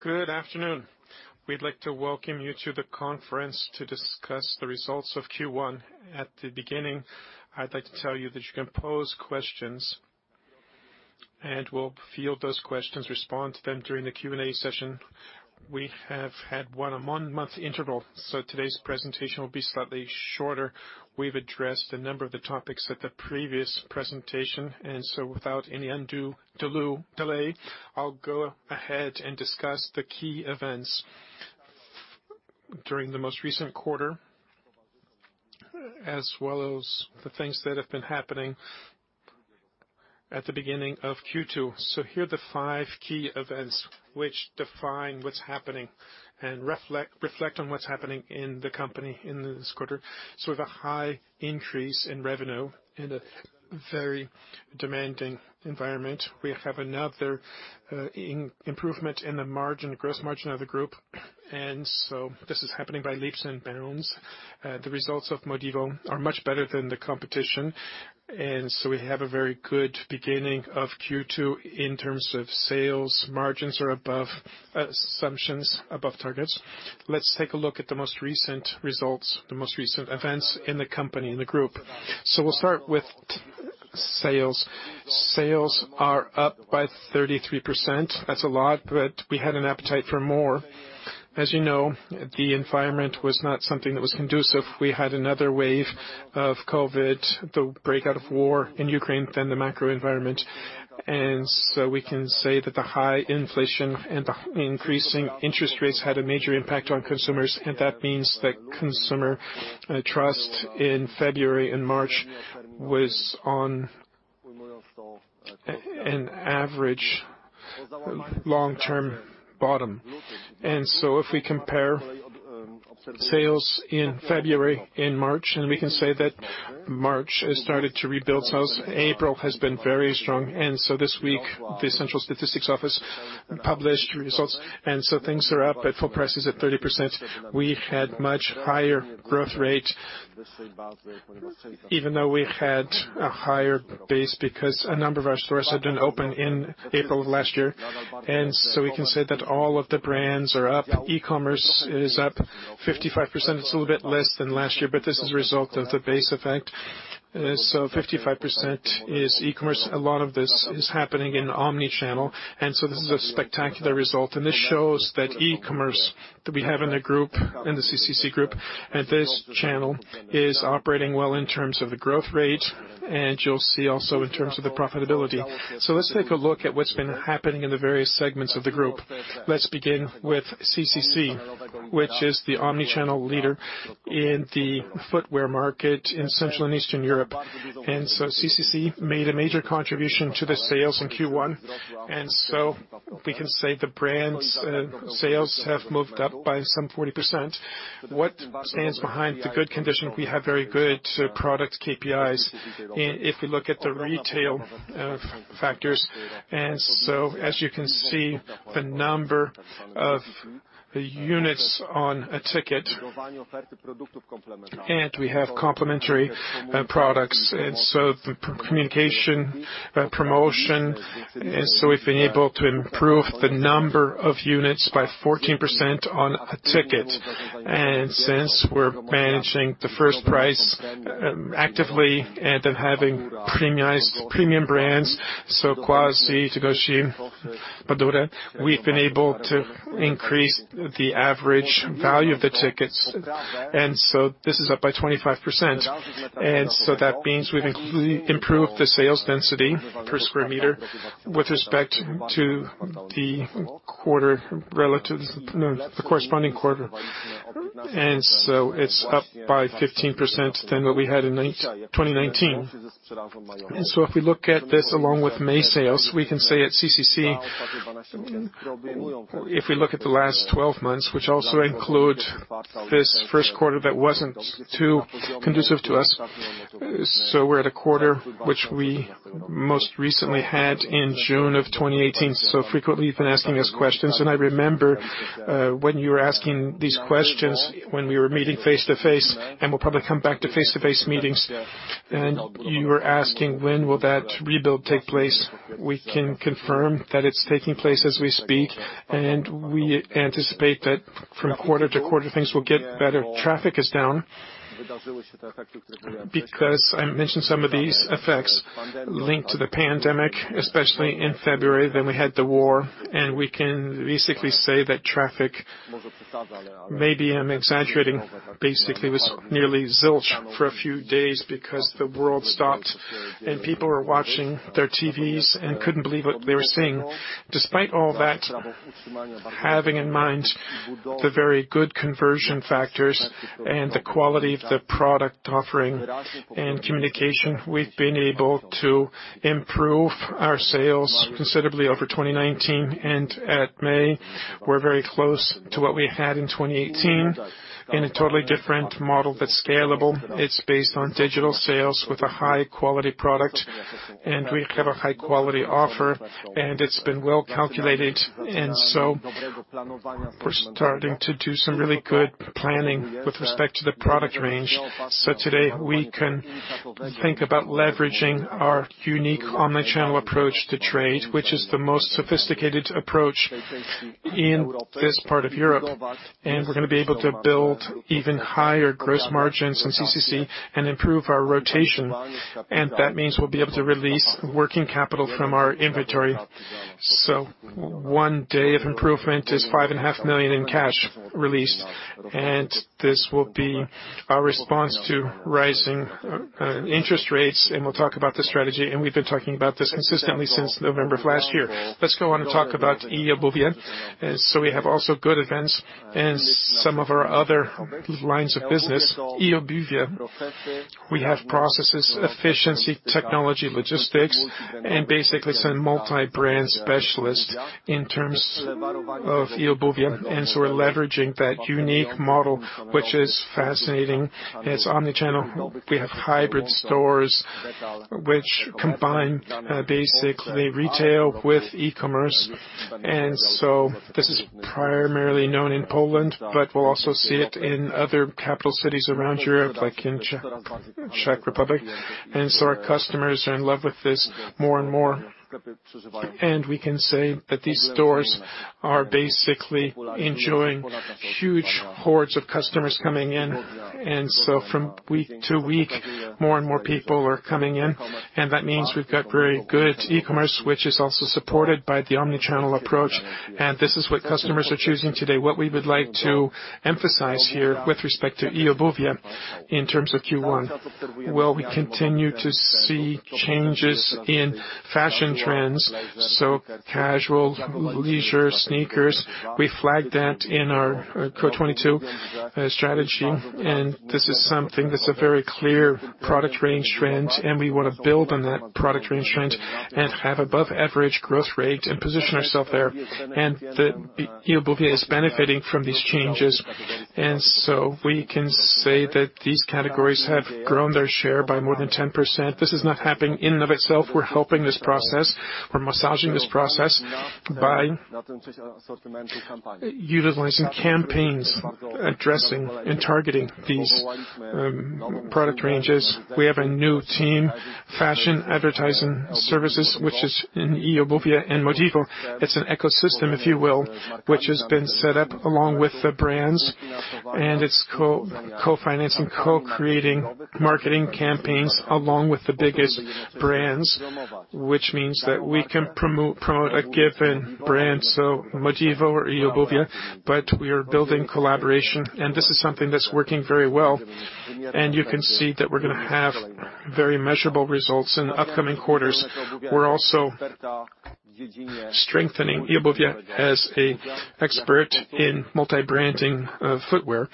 Good afternoon. We'd like to welcome you to the conference to discuss the results of Q1. At the beginning, I'd like to tell you that you can pose questions, and we'll field those questions, respond to them during the Q&A session. We have had a one-month interval, so today's presentation will be slightly shorter. We've addressed a number of the topics at the previous presentation, and without any undue delay, I'll go ahead and discuss the key events during the most recent quarter, as well as the things that have been happening at the beginning of Q2. Here are the five key events which define what's happening and reflect on what's happening in the company in this quarter. We've a high increase in revenue in a very demanding environment. We have another improvement in the margin, gross margin of the group, and this is happening by leaps and bounds. The results of Modivo are much better than the competition, and we have a very good beginning of Q2 in terms of sales. Margins are above assumptions, above targets. Let's take a look at the most recent results, the most recent events in the company, in the group. We'll start with sales. Sales are up by 33%. That's a lot, but we had an appetite for more. As you know, the environment was not something that was conducive. We had another wave of COVID, the outbreak of war in Ukraine, then the macro environment. We can say that the high inflation and the increasing interest rates had a major impact on consumers, and that means that consumer trust in February and March was on an average long-term bottom. If we compare sales in February and March, we can say that March has started to rebuild sales. April has been very strong. This week, the Central Statistical Office published results, and so things are up at full prices at 30%. We had much higher growth rate even though we had a higher base because a number of our stores hadn't opened in April of last year. We can say that all of the brands are up. E-commerce is up 55%. It's a little bit less than last year, but this is a result of the base effect. 55% is e-commerce. A lot of this is happening in omni-channel, and so this is a spectacular result. This shows that e-commerce that we have in the group, in the CCC Group, and this channel is operating well in terms of the growth rate, and you'll see also in terms of the profitability. Let's take a look at what's been happening in the various segments of the group. Let's begin with CCC, which is the omni-channel leader in the footwear market in Central and Eastern Europe. CCC made a major contribution to the sales in Q1. We can say the brands and sales have moved up by some 40%. What stands behind the good conditions? We have very good product KPIs if we look at the retail factors. As you can see, the number of units on a ticket. We have complementary products. The communication, the promotion. We've been able to improve the number of units by 14% on a ticket. Since we're managing the first price actively and then having premium brands, so Quazi, Togoshi, Badura, we've been able to increase the average value of the tickets. This is up by 25%. That means we've improved the sales density per square meter with respect to the corresponding quarter. It's up by 15% than what we had in 2019. If we look at this along with May sales, we can say at CCC, if we look at the last 12 months, which also include this first quarter that wasn't too conducive to us, so we're at a quarter which we most recently had in June of 2018. Frequently you've been asking us questions. I remember when you were asking these questions when we were meeting face-to-face, and we'll probably come back to face-to-face meetings, and you were asking, "When will that rebuild take place?" We can confirm that it's taking place as we speak, and we anticipate that from quarter to quarter, things will get better. Traffic is down because I mentioned some of these effects linked to the pandemic, especially in February. We had the war, and we can basically say that traffic, maybe I'm exaggerating, basically was nearly zilch for a few days because the world stopped and people were watching their TVs and couldn't believe what they were seeing. Despite all that, having in mind the very good conversion factors and the quality of the product offering and communication, we've been able to improve our sales considerably over 2019. At May, we're very close to what we had in 2018 in a totally different model that's scalable. It's based on digital sales with a high-quality product, and we have a high-quality offer, and it's been well-calculated. We're starting to do some really good planning with respect to the product range. Today, we can think about leveraging our unique omni-channel approach to trade, which is the most sophisticated approach in this part of Europe. We're gonna be able to build even higher gross margins in CCC and improve our rotation. That means we'll be able to release working capital from our inventory. One day of improvement is 5.5 million in cash released, and this will be our response to rising interest rates, and we'll talk about the strategy, and we've been talking about this consistently since November of last year. Let's go on and talk about Eobuwie. We have also good events in some of our other lines of business. Eobuwie, we have processes, efficiency, technology, logistics, and basically it's a multi-brand specialist in terms of Eobuwie. We're leveraging that unique model, which is fascinating. It's omni-channel. We have hybrid stores which combine basically retail with e-commerce. This is primarily known in Poland, but we'll also see it in other capital cities around Europe, like in Czech Republic. Our customers are in love with this more and more. We can say that these stores are basically enjoying huge hordes of customers coming in. From week to week, more and more people are coming in. That means we've got very good e-commerce, which is also supported by the omni-channel approach. This is what customers are choosing today. What we would like to emphasize here with respect to Eobuwie in terms of Q1, well, we continue to see changes in fashion trends, so casual leisure sneakers. We flagged that in our Q 2022 strategy. This is something that's a very clear product range trend, and we wanna build on that product range trend and have above average growth rate and position ourself there. The Eobuwie is benefiting from these changes. We can say that these categories have grown their share by more than 10%. This is not happening in and of itself. We're helping this process. We're massaging this process by utilizing campaigns, addressing and targeting these product ranges. We have a new team, MODIVO Advertising Services, which is in Eobuwie and Modivo. It's an ecosystem, if you will, which has been set up along with the brands, and it's co-financing, co-creating marketing campaigns along with the biggest brands, which means that we can promote a given brand, so Modivo or Eobuwie. We are building collaboration, and this is something that's working very well. You can see that we're gonna have very measurable results in upcoming quarters. We're also strengthening Eobuwie as an expert in multi-branding, footwear.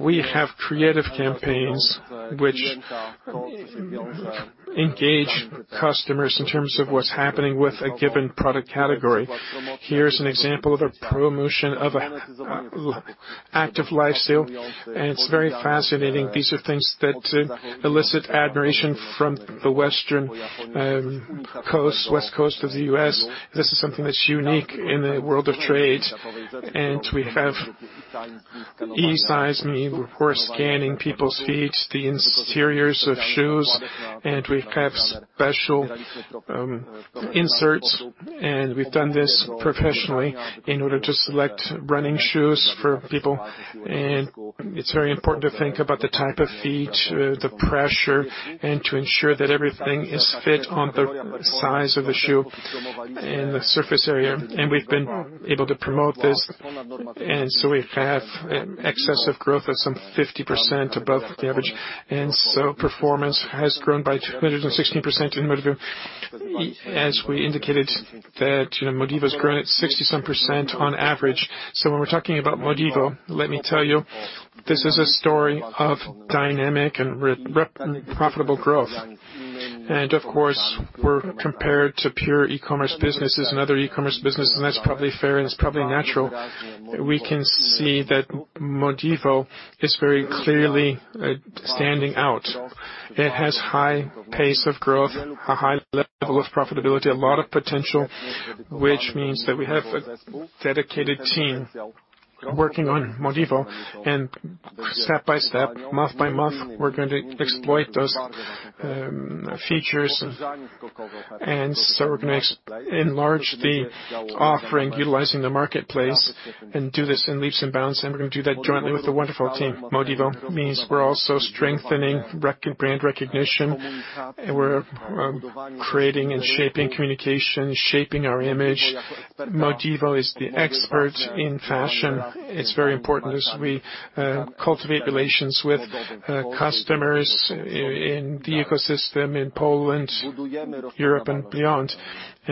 We have creative campaigns which engage customers in terms of what's happening with a given product category. Here's an example of a promotion of a active lifestyle, and it's very fascinating. These are things that elicit admiration from the West Coast of the U.S. This is something that's unique in the world of trade. We have esize.me, meaning we're scanning people's feet, the interiors of shoes, and we have special inserts, and we've done this professionally in order to select running shoes for people. It's very important to think about the type of feet, the pressure, and to ensure that everything is fit on the size of the shoe and the surface area. We've been able to promote this. We have impressive growth of some 50% above the average. Performance has grown by 260% in Modivo. As we indicated that, you know, Modivo's grown at 60-some% on average. When we're talking about Modivo, let me tell you, this is a story of dynamic and really profitable growth. Of course, we're compared to pure e-commerce businesses and other e-commerce businesses, and that's probably fair, and it's probably natural. We can see that Modivo is very clearly standing out. It has high pace of growth, a high level of profitability, a lot of potential, which means that we have a dedicated team working on Modivo. Step by step, month by month, we're going to exploit those features. We're gonna enlarge the offering utilizing the marketplace and do this in leaps and bounds. We're gonna do that jointly with the wonderful team. Modivo means we're also strengthening brand recognition, and we're creating and shaping communication, shaping our image. Modivo is the expert in fashion. It's very important as we cultivate relations with customers in the ecosystem in Poland, Europe, and beyond.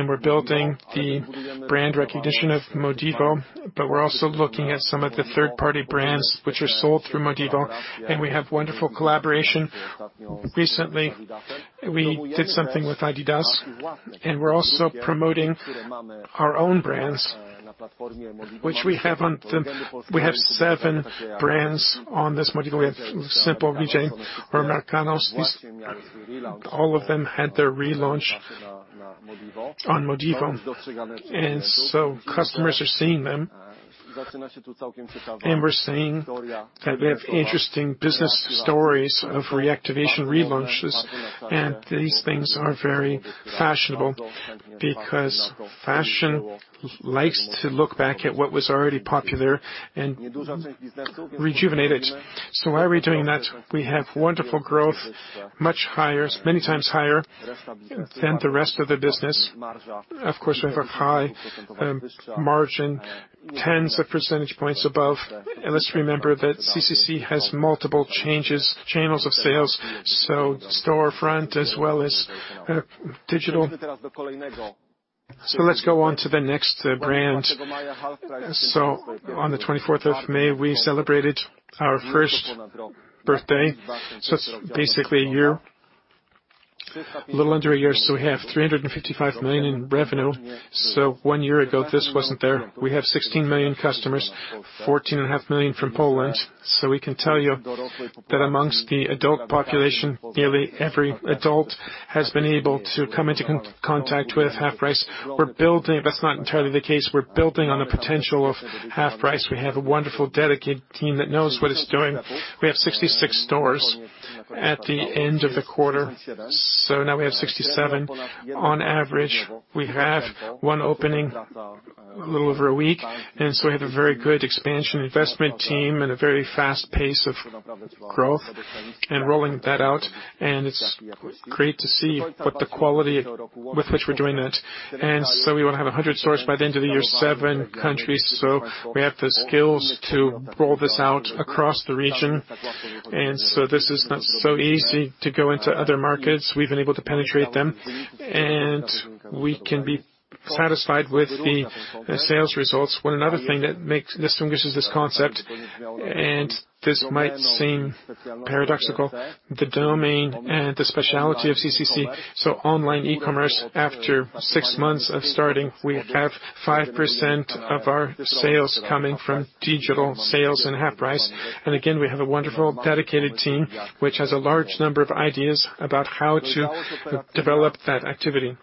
We're building the brand recognition of Modivo, but we're also looking at some of the third-party brands which are sold through Modivo, and we have wonderful collaboration. Recently, we did something with adidas, and we're also promoting our own brands, which we have on Modivo. We have seven brands on Modivo. We have Simple, Badura, Americanos. These all of them had their relaunch on Modivo. Customers are seeing them. We're seeing that we have interesting business stories of reactivation relaunches, and these things are very fashionable because fashion likes to look back at what was already popular and rejuvenate it. Why are we doing that? We have wonderful growth, much higher, many times higher than the rest of the business. Of course, we have a high margin, tens of percentage points above. Let's remember that CCC has multiple channels of sales, so storefront as well as digital. Let's go on to the next brand. On the 24th of May, we celebrated our first birthday, so it's basically a year, a little under a year. We have 355 million in revenue. One year ago, this wasn't there. We have 16 million customers, 14.5 million from Poland. We can tell you that among the adult population, nearly every adult has been able to come into contact with HalfPrice. We're building on the potential of HalfPrice. We have a wonderful, dedicated team that knows what it's doing. We have 66 stores at the end of the quarter, so now we have 67 on average. We have one opening a little over a week, we have a very good expansion investment team and a very fast pace of growth and rolling that out, and it's great to see what the quality with which we're doing it. We wanna have 100 stores by the end of the year, seven countries. We have the skills to roll this out across the region. This is not so easy to go into other markets. We've been able to penetrate them, and we can be satisfied with the sales results. Well, another thing that distinguishes this concept, and this might seem paradoxical, the domain and the specialty of CCC, so online e-commerce, after six months of starting, we have 5% of our sales coming from digital sales in HalfPrice. We have a wonderful, dedicated team, which has a large number of ideas about how to develop that activity.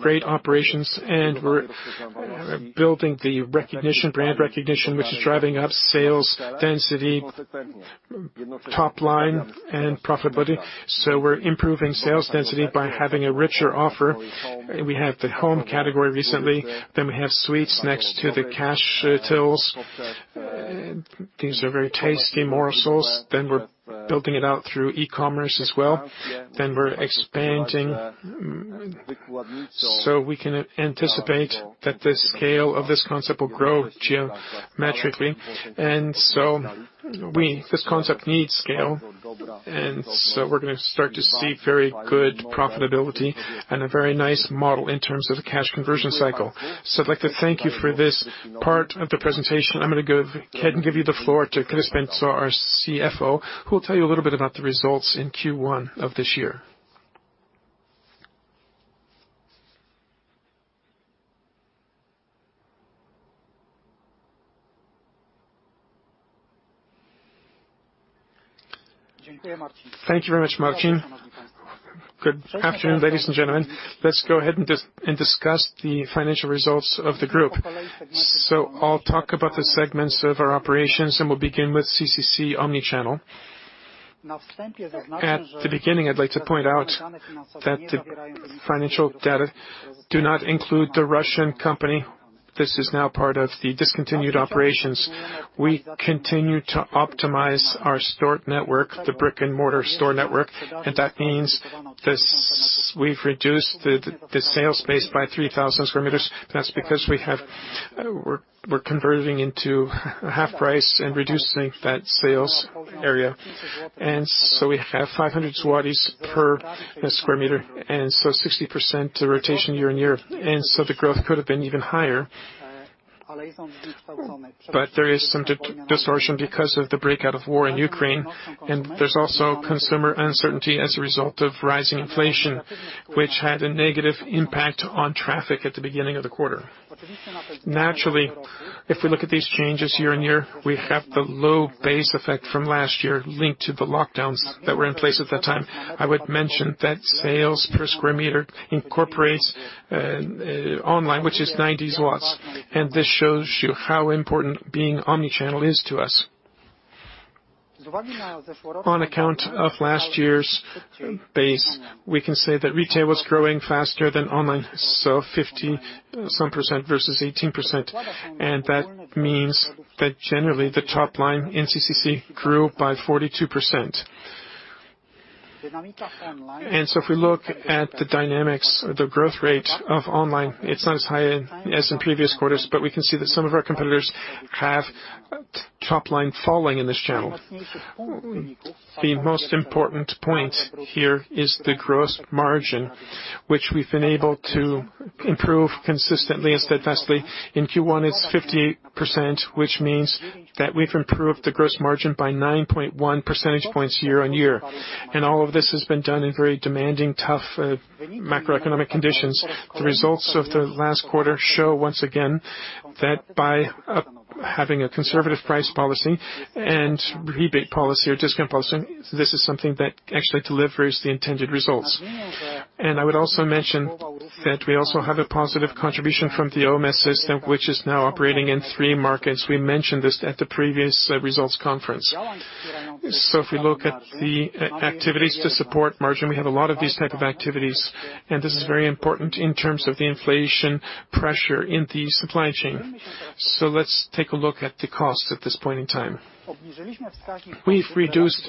Great operations, and we're building the recognition, brand recognition, which is driving up sales density, top line, and profitability. We're improving sales density by having a richer offer. We have the home category recently. We have sweets next to the cash tills. These are very tasty morsels. We're building it out through e-commerce as well. We're expanding, so we can anticipate that the scale of this concept will grow geometrically. This concept needs scale, and we're gonna start to see very good profitability and a very nice model in terms of the cash conversion cycle. I'd like to thank you for this part of the presentation. I'm gonna go ahead and give you the floor to Kryspin Derejczyk, our CFO, who will tell you a little bit about the results in Q1 of this year. Thank you very much, Marcin. Good afternoon, ladies and gentlemen. Let's go ahead and discuss the financial results of the group. I'll talk about the segments of our operations, and we'll begin with CCC omni-channel. At the beginning, I'd like to point out that the financial data do not include the Russian company. This is now part of the discontinued operations. We continue to optimize our store network, the brick-and-mortar store network, and that means we've reduced the sales space by 3,000 sq m. That's because we're converting into HalfPrice and reducing that sales area. We have 500 zlotys per square meter, and 60% rotation year-on-year. The growth could have been even higher. There is some distortion because of the outbreak of war in Ukraine, and there's also consumer uncertainty as a result of rising inflation, which had a negative impact on traffic at the beginning of the quarter. Naturally, if we look at these changes year-on-year, we have the low base effect from last year linked to the lockdowns that were in place at that time. I would mention that sales per square meter incorporates online, which is 90, and this shows you how important being omni-channel is to us. On account of last year's base, we can say that retail was growing faster than online, so 50%-some versus 18%, and that means that generally the top line in CCC grew by 42%. If we look at the dynamics or the growth rate of online, it's not as high as in previous quarters, but we can see that some of our competitors have top line falling in this channel. The most important point here is the gross margin, which we've been able to improve consistently and steadfastly. In Q1, it's 50%, which means that we've improved the gross margin by 9.1 percentage points year-on-year. All of this has been done in very demanding, tough, macroeconomic conditions. The results of the last quarter show once again that by having a conservative price policy and rebate policy or discount policy, this is something that actually delivers the intended results. I would also mention that we also have a positive contribution from the OMS system, which is now operating in three markets. We mentioned this at the previous results conference. If we look at the activities to support margin, we have a lot of these type of activities, and this is very important in terms of the inflation pressure in the supply chain. Let's take a look at the costs at this point in time. We've reduced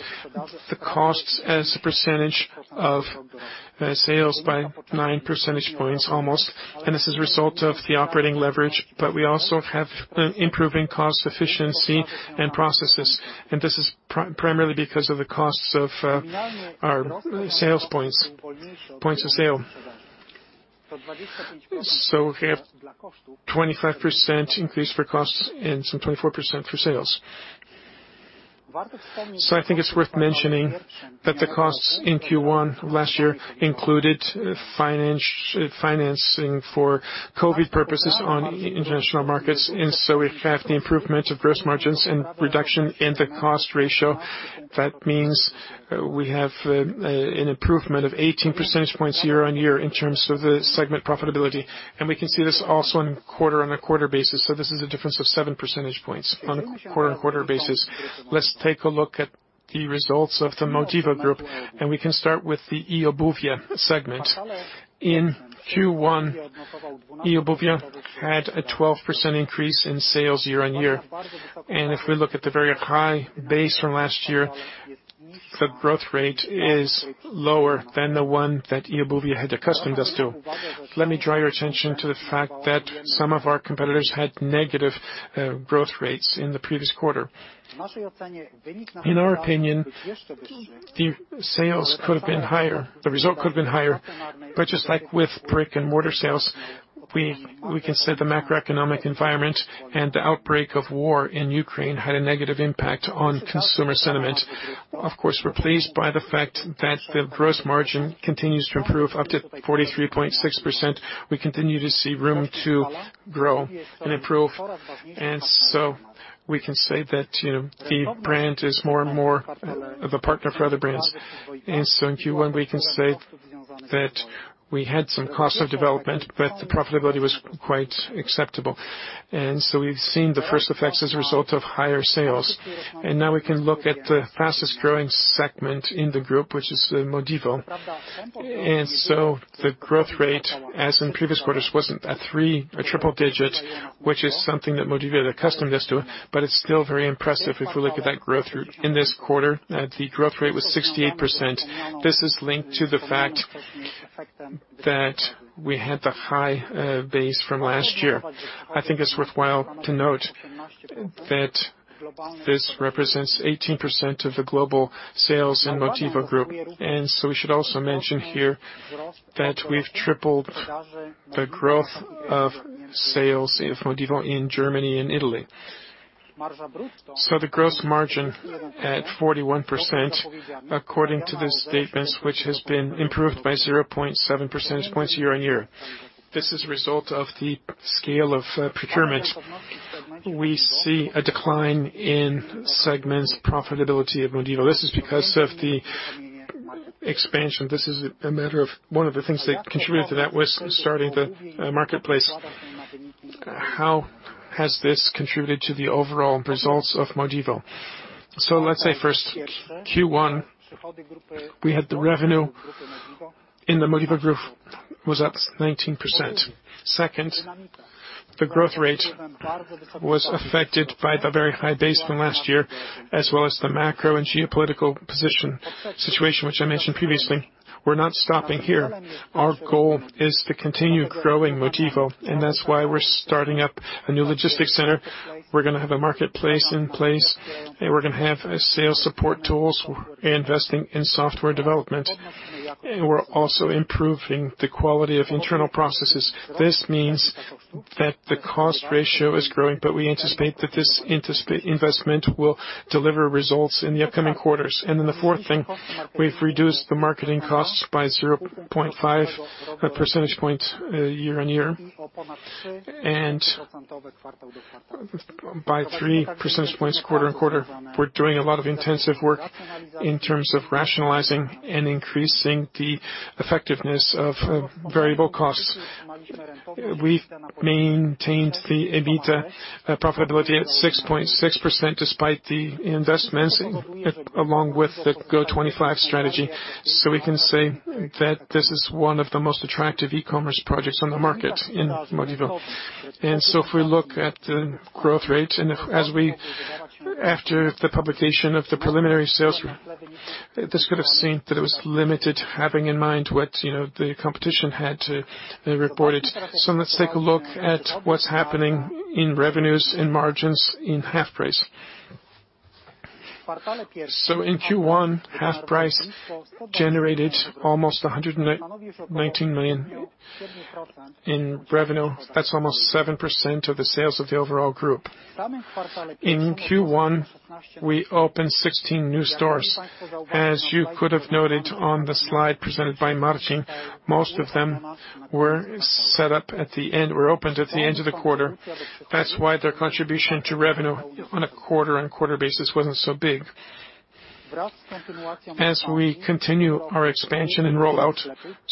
the costs as a percentage of sales by 9 percentage points almost, and this is a result of the operating leverage, but we also have improving cost efficiency and processes, and this is primarily because of the costs of our sales points of sale. We have 25% increase for costs and some 24% for sales. I think it's worth mentioning that the costs in Q1 of last year included financing for COVID purposes on international markets, and we have the improvement of gross margins and reduction in the cost ratio. That means we have an improvement of 18 percentage points year-on-year in terms of the segment profitability. We can see this also on quarter-on-quarter basis, so this is a difference of 7 percentage points on a quarter-on-quarter basis. Let's take a look at the results of the Modivo Group, and we can start with the Eobuwie segment. In Q1, Eobuwie had a 12% increase in sales year-on-year. If we look at the very high base from last year, the growth rate is lower than the one that Eobuwie had accustomed us to. Let me draw your attention to the fact that some of our competitors had negative growth rates in the previous quarter. In our opinion, the sales could have been higher, the result could have been higher. But just like with brick-and-mortar sales, we can say the macroeconomic environment and the outbreak of war in Ukraine had a negative impact on consumer sentiment. Of course, we're pleased by the fact that the gross margin continues to improve up to 43.6%. We continue to see room to grow and improve. We can say that, you know, the brand is more and more of a partner for other brands. In Q1, we can say that we had some cost of development, but the profitability was quite acceptable. We've seen the first effects as a result of higher sales. Now we can look at the fastest-growing segment in the group, which is, Modivo. The growth rate, as in previous quarters, wasn't a triple digit, which is something that Modivo had accustomed us to, but it's still very impressive if we look at that growth rate. In this quarter, the growth rate was 68%. This is linked to the fact that we had the high base from last year. I think it's worthwhile to note that this represents 18% of the global sales in Modivo Group. We should also mention here that we've tripled the growth of sales of Modivo in Germany and Italy. The gross margin at 41% according to the statements, which has been improved by 0.7 percentage points year-on-year. This is a result of the scale of procurement. We see a decline in segment's profitability of Modivo. This is because of the expansion. This is a matter of one of the things that contributed to that was starting the marketplace. How has this contributed to the overall results of Modivo? Let's say first, Q1, we had the revenue in the Modivo Group was up 19%. Second, the growth rate was affected by the very high base from last year, as well as the macro and geopolitical position, situation which I mentioned previously. We're not stopping here. Our goal is to continue growing Modivo, and that's why we're starting up a new logistics center. We're gonna have a marketplace in place, and we're gonna have sales support tools. We're investing in software development, and we're also improving the quality of internal processes. This means that the cost ratio is growing, but we anticipate that this investment will deliver results in the upcoming quarters. The fourth thing, we've reduced the marketing costs by 0.5 percentage points year-on-year and by 3 percentage points quarter-on-quarter. We're doing a lot of intensive work in terms of rationalizing and increasing the effectiveness of variable costs. We've maintained the EBITDA profitability at 6.6% despite the investments along with the GO.25 strategy. We can say that this is one of the most attractive e-commerce projects on the market in Modivo. After the publication of the preliminary sales, you could have seen that it was limited having in mind what, you know, the competition had reported. Let's take a look at what's happening in revenues and margins in HalfPrice. In Q1, HalfPrice generated almost 119 million in revenue. That's almost 7% of the sales of the overall group. In Q1, we opened 16 new stores. As you could have noted on the slide presented by Marcin, most of them were set up at the end or opened at the end of the quarter. That's why their contribution to revenue on a quarter-on-quarter basis wasn't so big. As we continue our expansion and rollout,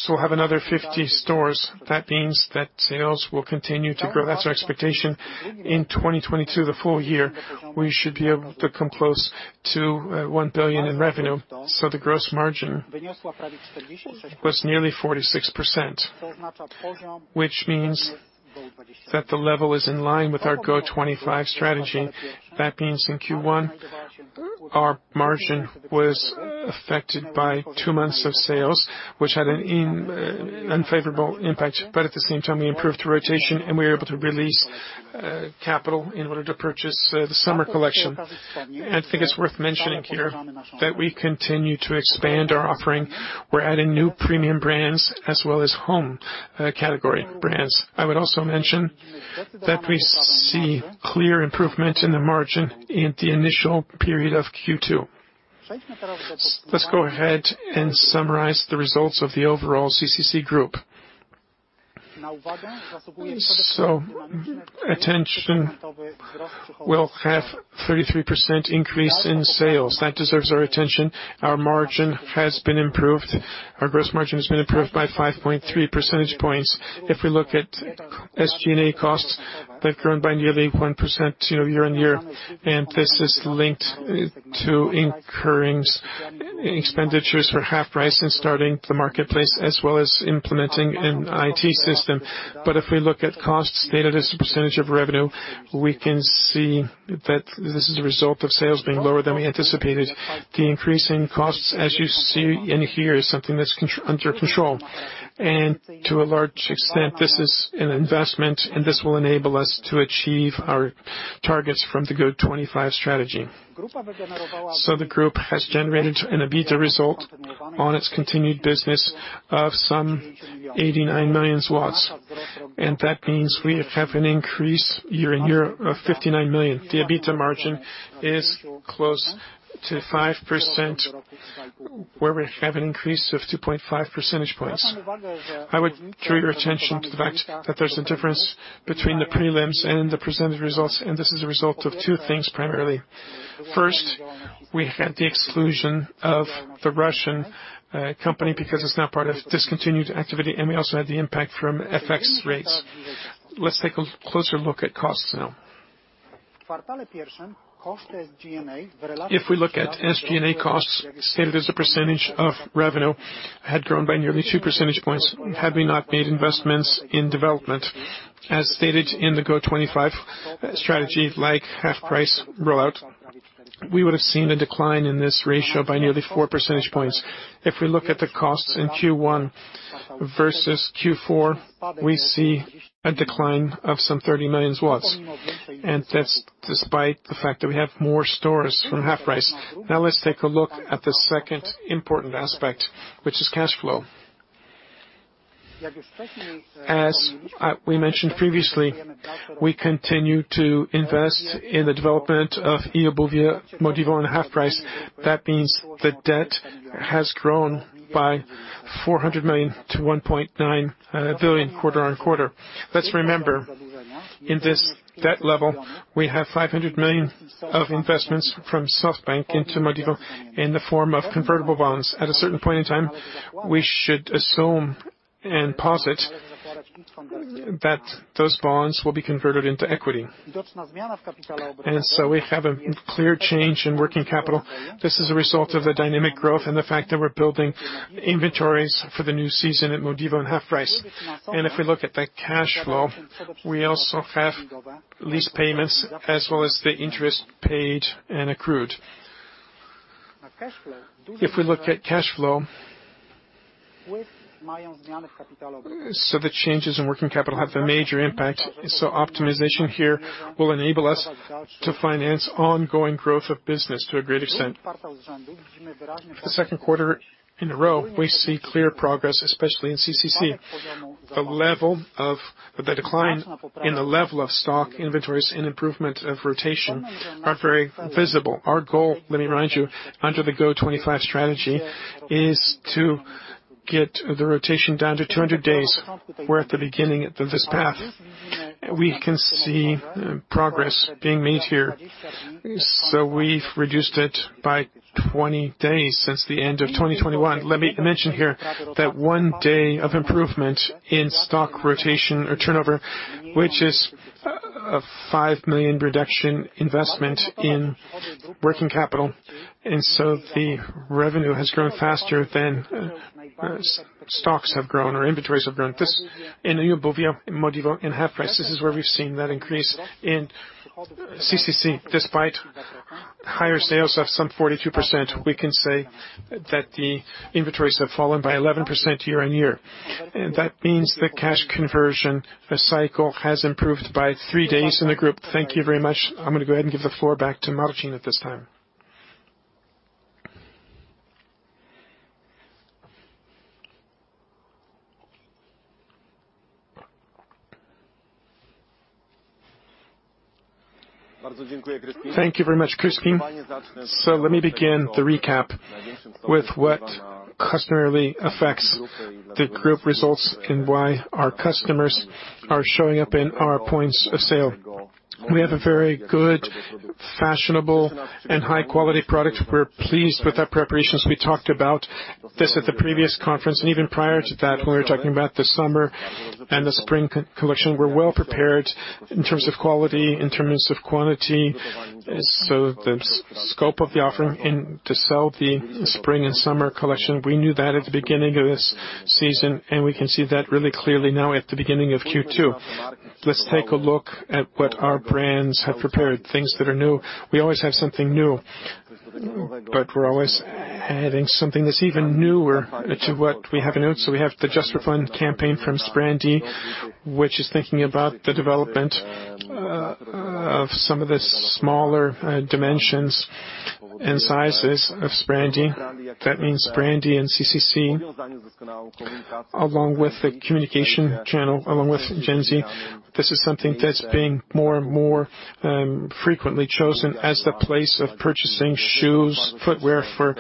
we'll have another 50 stores. That means that sales will continue to grow. That's our expectation. In 2022, the full year, we should be able to come close to 1 billion in revenue. The gross margin was nearly 46%, which means that the level is in line with our GO.25 strategy. That means in Q1, our margin was affected by two months of sales, which had an unfavorable impact. At the same time, we improved rotation and we were able to release capital in order to purchase the summer collection. I think it's worth mentioning here that we continue to expand our offering. We're adding new premium brands as well as home, category brands. I would also mention that we see clear improvement in the margin in the initial period of Q2. Let's go ahead and summarize the results of the overall CCC Group. Attention, we'll have 33% increase in sales. That deserves our attention. Our margin has been improved. Our gross margin has been improved by 5.3 percentage points. If we look at SG&A costs, they've grown by nearly 1%, you know, year-on-year. This is linked to incurring expenditures for HalfPrice and starting the marketplace, as well as implementing an IT system. If we look at costs stated as a percentage of revenue, we can see that this is a result of sales being lower than we anticipated. The increase in costs, as you see in here, is something that's under control. To a large extent, this is an investment, and this will enable us to achieve our targets from the GO.25 strategy. The group has generated an EBITDA result on its continued business of some 89 million. That means we have an increase year-on-year of 59 million. The EBITDA margin is close to 5%, where we have an increase of 2.5 percentage points. I would draw your attention to the fact that there's a difference between the prelims and the presented results, and this is a result of two things primarily. First, we had the exclusion of the Russian company because it's now part of discontinued activity, and we also had the impact from FX rates. Let's take a closer look at costs now. If we look at SG&A costs stated as a percentage of revenue had grown by nearly 2 percentage points had we not made investments in development. As stated in the GO.25 strategy, like HalfPrice rollout, we would've seen a decline in this ratio by nearly 4 percentage points. If we look at the costs in Q1 versus Q4, we see a decline of 30 million. That's despite the fact that we have more stores from HalfPrice. Now let's take a look at the second important aspect, which is cash flow. As we mentioned previously, we continue to invest in the development of Eobuwie, Modivo, and HalfPrice. That means the debt has grown by 400 million to 1.9 billion quarter-on-quarter. Let's remember, in this debt level, we have 500 million of investments from SoftBank into Modivo in the form of convertible bonds. At a certain point in time, we should assume and posit that those bonds will be converted into equity. We have a clear change in working capital. This is a result of the dynamic growth and the fact that we're building inventories for the new season at Modivo and HalfPrice. If we look at the cash flow, we also have lease payments as well as the interest paid and accrued. If we look at cash flow, the changes in working capital have a major impact. Optimization here will enable us to finance ongoing growth of business to a great extent. The second quarter in a row, we see clear progress, especially in CCC. The level of the decline in the level of stock inventories and improvement of rotation are very visible. Our goal, let me remind you, under the GO.25 strategy, is to get the rotation down to 200 days. We're at the beginning of this path. We can see progress being made here. We've reduced it by 20 days since the end of 2021. Let me mention here that one day of improvement in stock rotation or turnover, which is a 5 million reduction in investment in working capital. The revenue has grown faster than stocks have grown or inventories have grown. This in Eobuwie, in Modivo, in HalfPrice, this is where we've seen that increase. In CCC, despite higher sales of some 42%, we can say that the inventories have fallen by 11% year-on-year. That means the cash conversion cycle has improved by three days in the group. Thank you very much. I'm gonna go ahead and give the floor back to Marcin at this time. Thank you very much, Kryspin. Let me begin the recap with what customarily affects the group results and why our customers are showing up in our points of sale. We have a very good, fashionable, and high-quality product. We're pleased with our preparations. We talked about this at the previous conference, and even prior to that, when we were talking about the summer and the spring collection, we're well prepared in terms of quality, in terms of quantity. The scope of the offering and to sell the spring and summer collection, we knew that at the beginning of this season, and we can see that really clearly now at the beginning of Q2. Let's take a look at what our brands have prepared, things that are new. We always have something new, but we're always adding something that's even newer to what we have announced. We have the Just for Fun campaign from Sprandi, which is thinking about the development of some of the smaller dimensions and sizes of Sprandi. That means Sprandi and CCC, along with the communication channel, along with Gen Z. This is something that's being more and more frequently chosen as the place of purchasing shoes, footwear for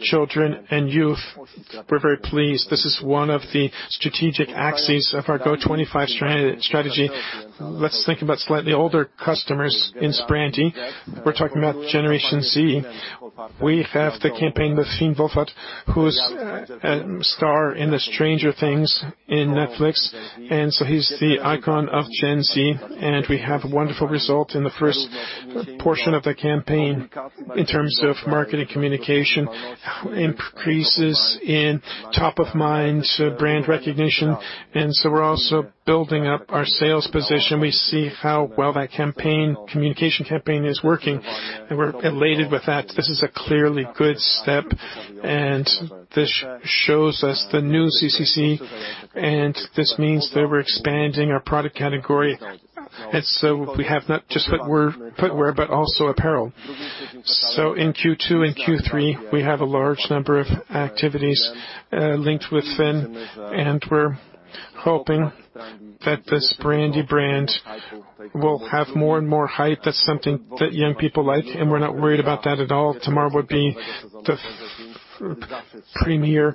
children and youth. We're very pleased. This is one of the strategic axes of our GO.25 strategy. Let's think about slightly older customers in Sprandi. We're talking about Generation Z. We have the campaign with Finn Wolfhard, who's a star in Stranger Things on Netflix. He's the icon of Gen Z, and we have a wonderful result in the first portion of the campaign in terms of marketing communication, increases in top-of-mind brand recognition. We're also building up our sales position. We see how well that campaign, communication campaign is working, and we're elated with that. This is a clearly good step, and this shows us the new CCC, and this means that we're expanding our product category. We have not just footwear, but also apparel. In Q2 and Q3, we have a large number of activities linked with Finn, and we're hoping that the Sprandi brand will have more and more hype. That's something that young people like, and we're not worried about that at all. Tomorrow would be the premiere of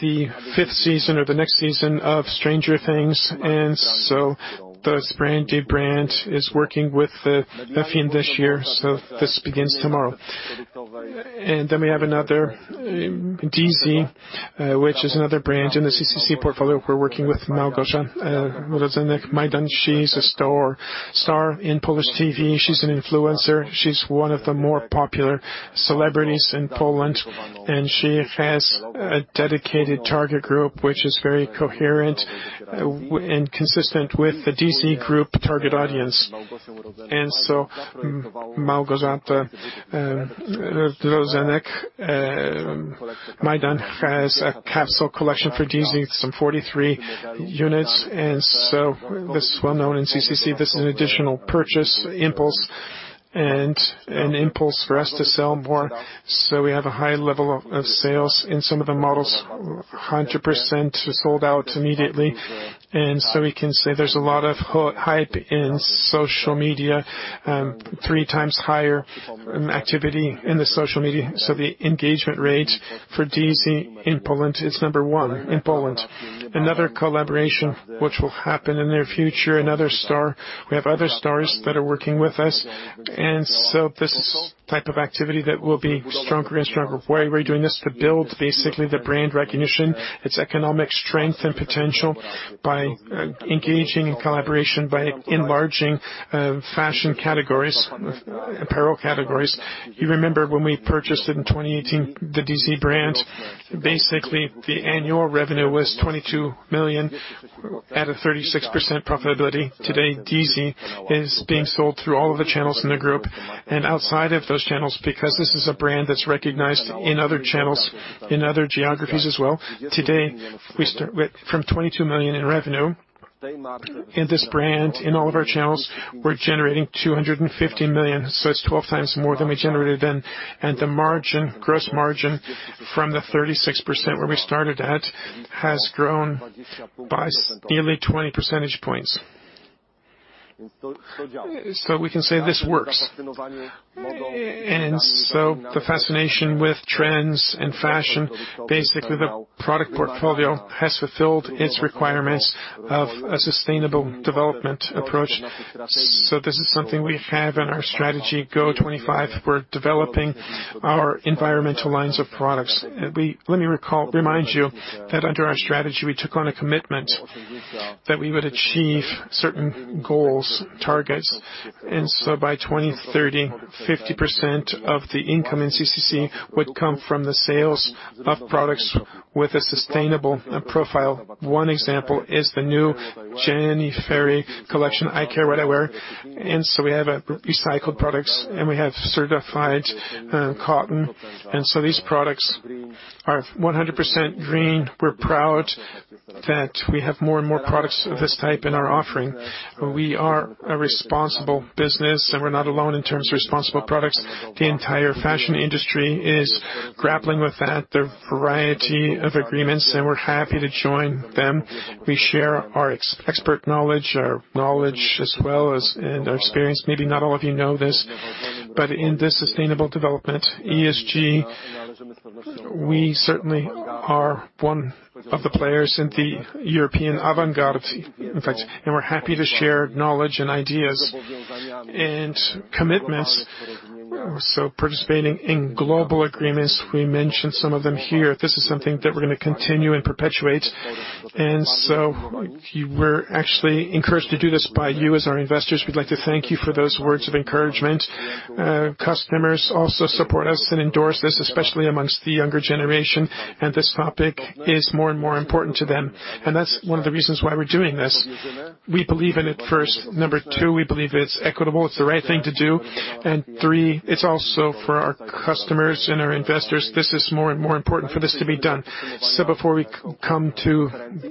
the fifth season or the next season of Stranger Things. The Sprandi brand is working with Finn Wolfhard this year. This begins tomorrow. We have another, DeeZee, which is another brand in the CCC portfolio. We're working with Małgorzata Rozenek-Majdan. She's a star in Polish TV. She's an influencer. She's one of the more popular celebrities in Poland, and she has a dedicated target group, which is very coherent and consistent with the DeeZee group target audience. Małgorzata Rozenek-Majdan has a capsule collection for DeeZee, some 43 units. This is well-known in CCC. This is an additional purchase impulse and an impulse for us to sell more. We have a high level of sales. In some of the models, 100% is sold out immediately. We can say there's a lot of hype in social media, three times higher activity in the social media. The engagement rate for DeeZee in Poland is number one in Poland. Another collaboration which will happen in the near future, another star. We have other stars that are working with us. This type of activity that will be stronger and stronger. Why we're doing this? To build basically the brand recognition, its economic strength and potential by engaging in collaboration, by enlarging fashion categories, apparel categories. You remember when we purchased it in 2018, the DeeZee brand, basically, the annual revenue was 22 million at a 36% profitability. Today, DeeZee is being sold through all of the channels in the group and outside of those channels because this is a brand that's recognized in other channels, in other geographies as well. Today, we started from 22 million in revenue. In this brand, in all of our channels, we're generating 250 million, so it's 12 times more than we generated then. The margin, gross margin from the 36% where we started at has grown by nearly 20 percentage points. We can say this works. The fascination with trends and fashion, basically, the product portfolio has fulfilled its requirements of a sustainable development approach. This is something we have in our strategy, GO.25. We're developing our environmental lines of products. Let me remind you that under our strategy, we took on a commitment that we would achieve certain goals, targets. By 2030, 50% of the income in CCC would come from the sales of products with a sustainable profile. One example is the new Jenny Fairy collection, I CARE WHAT I WEAR. We have recycled products, and we have certified cotton. These products are 100% green. We're proud that we have more and more products of this type in our offering. We are a responsible business, and we're not alone in terms of responsible products. The entire fashion industry is grappling with that. There are a variety of agreements, and we're happy to join them. We share our expert knowledge, our knowledge as well as and our experience. Maybe not all of you know this, but in this sustainable development, ESG, we certainly are one of the players in the European avant-garde, in fact, and we're happy to share knowledge and ideas and commitments. Participating in global agreements, we mentioned some of them here. This is something that we're gonna continue and perpetuate. We're actually encouraged to do this by you as our investors. We'd like to thank you for those words of encouragement. Customers also support us and endorse this, especially among the younger generation, and this topic is more and more important to them. That's one of the reasons why we're doing this. We believe in it first. Number two, we believe it's equitable, it's the right thing to do. Three, it's also for our customers and our investors. This is more and more important for this to be done. Before we come to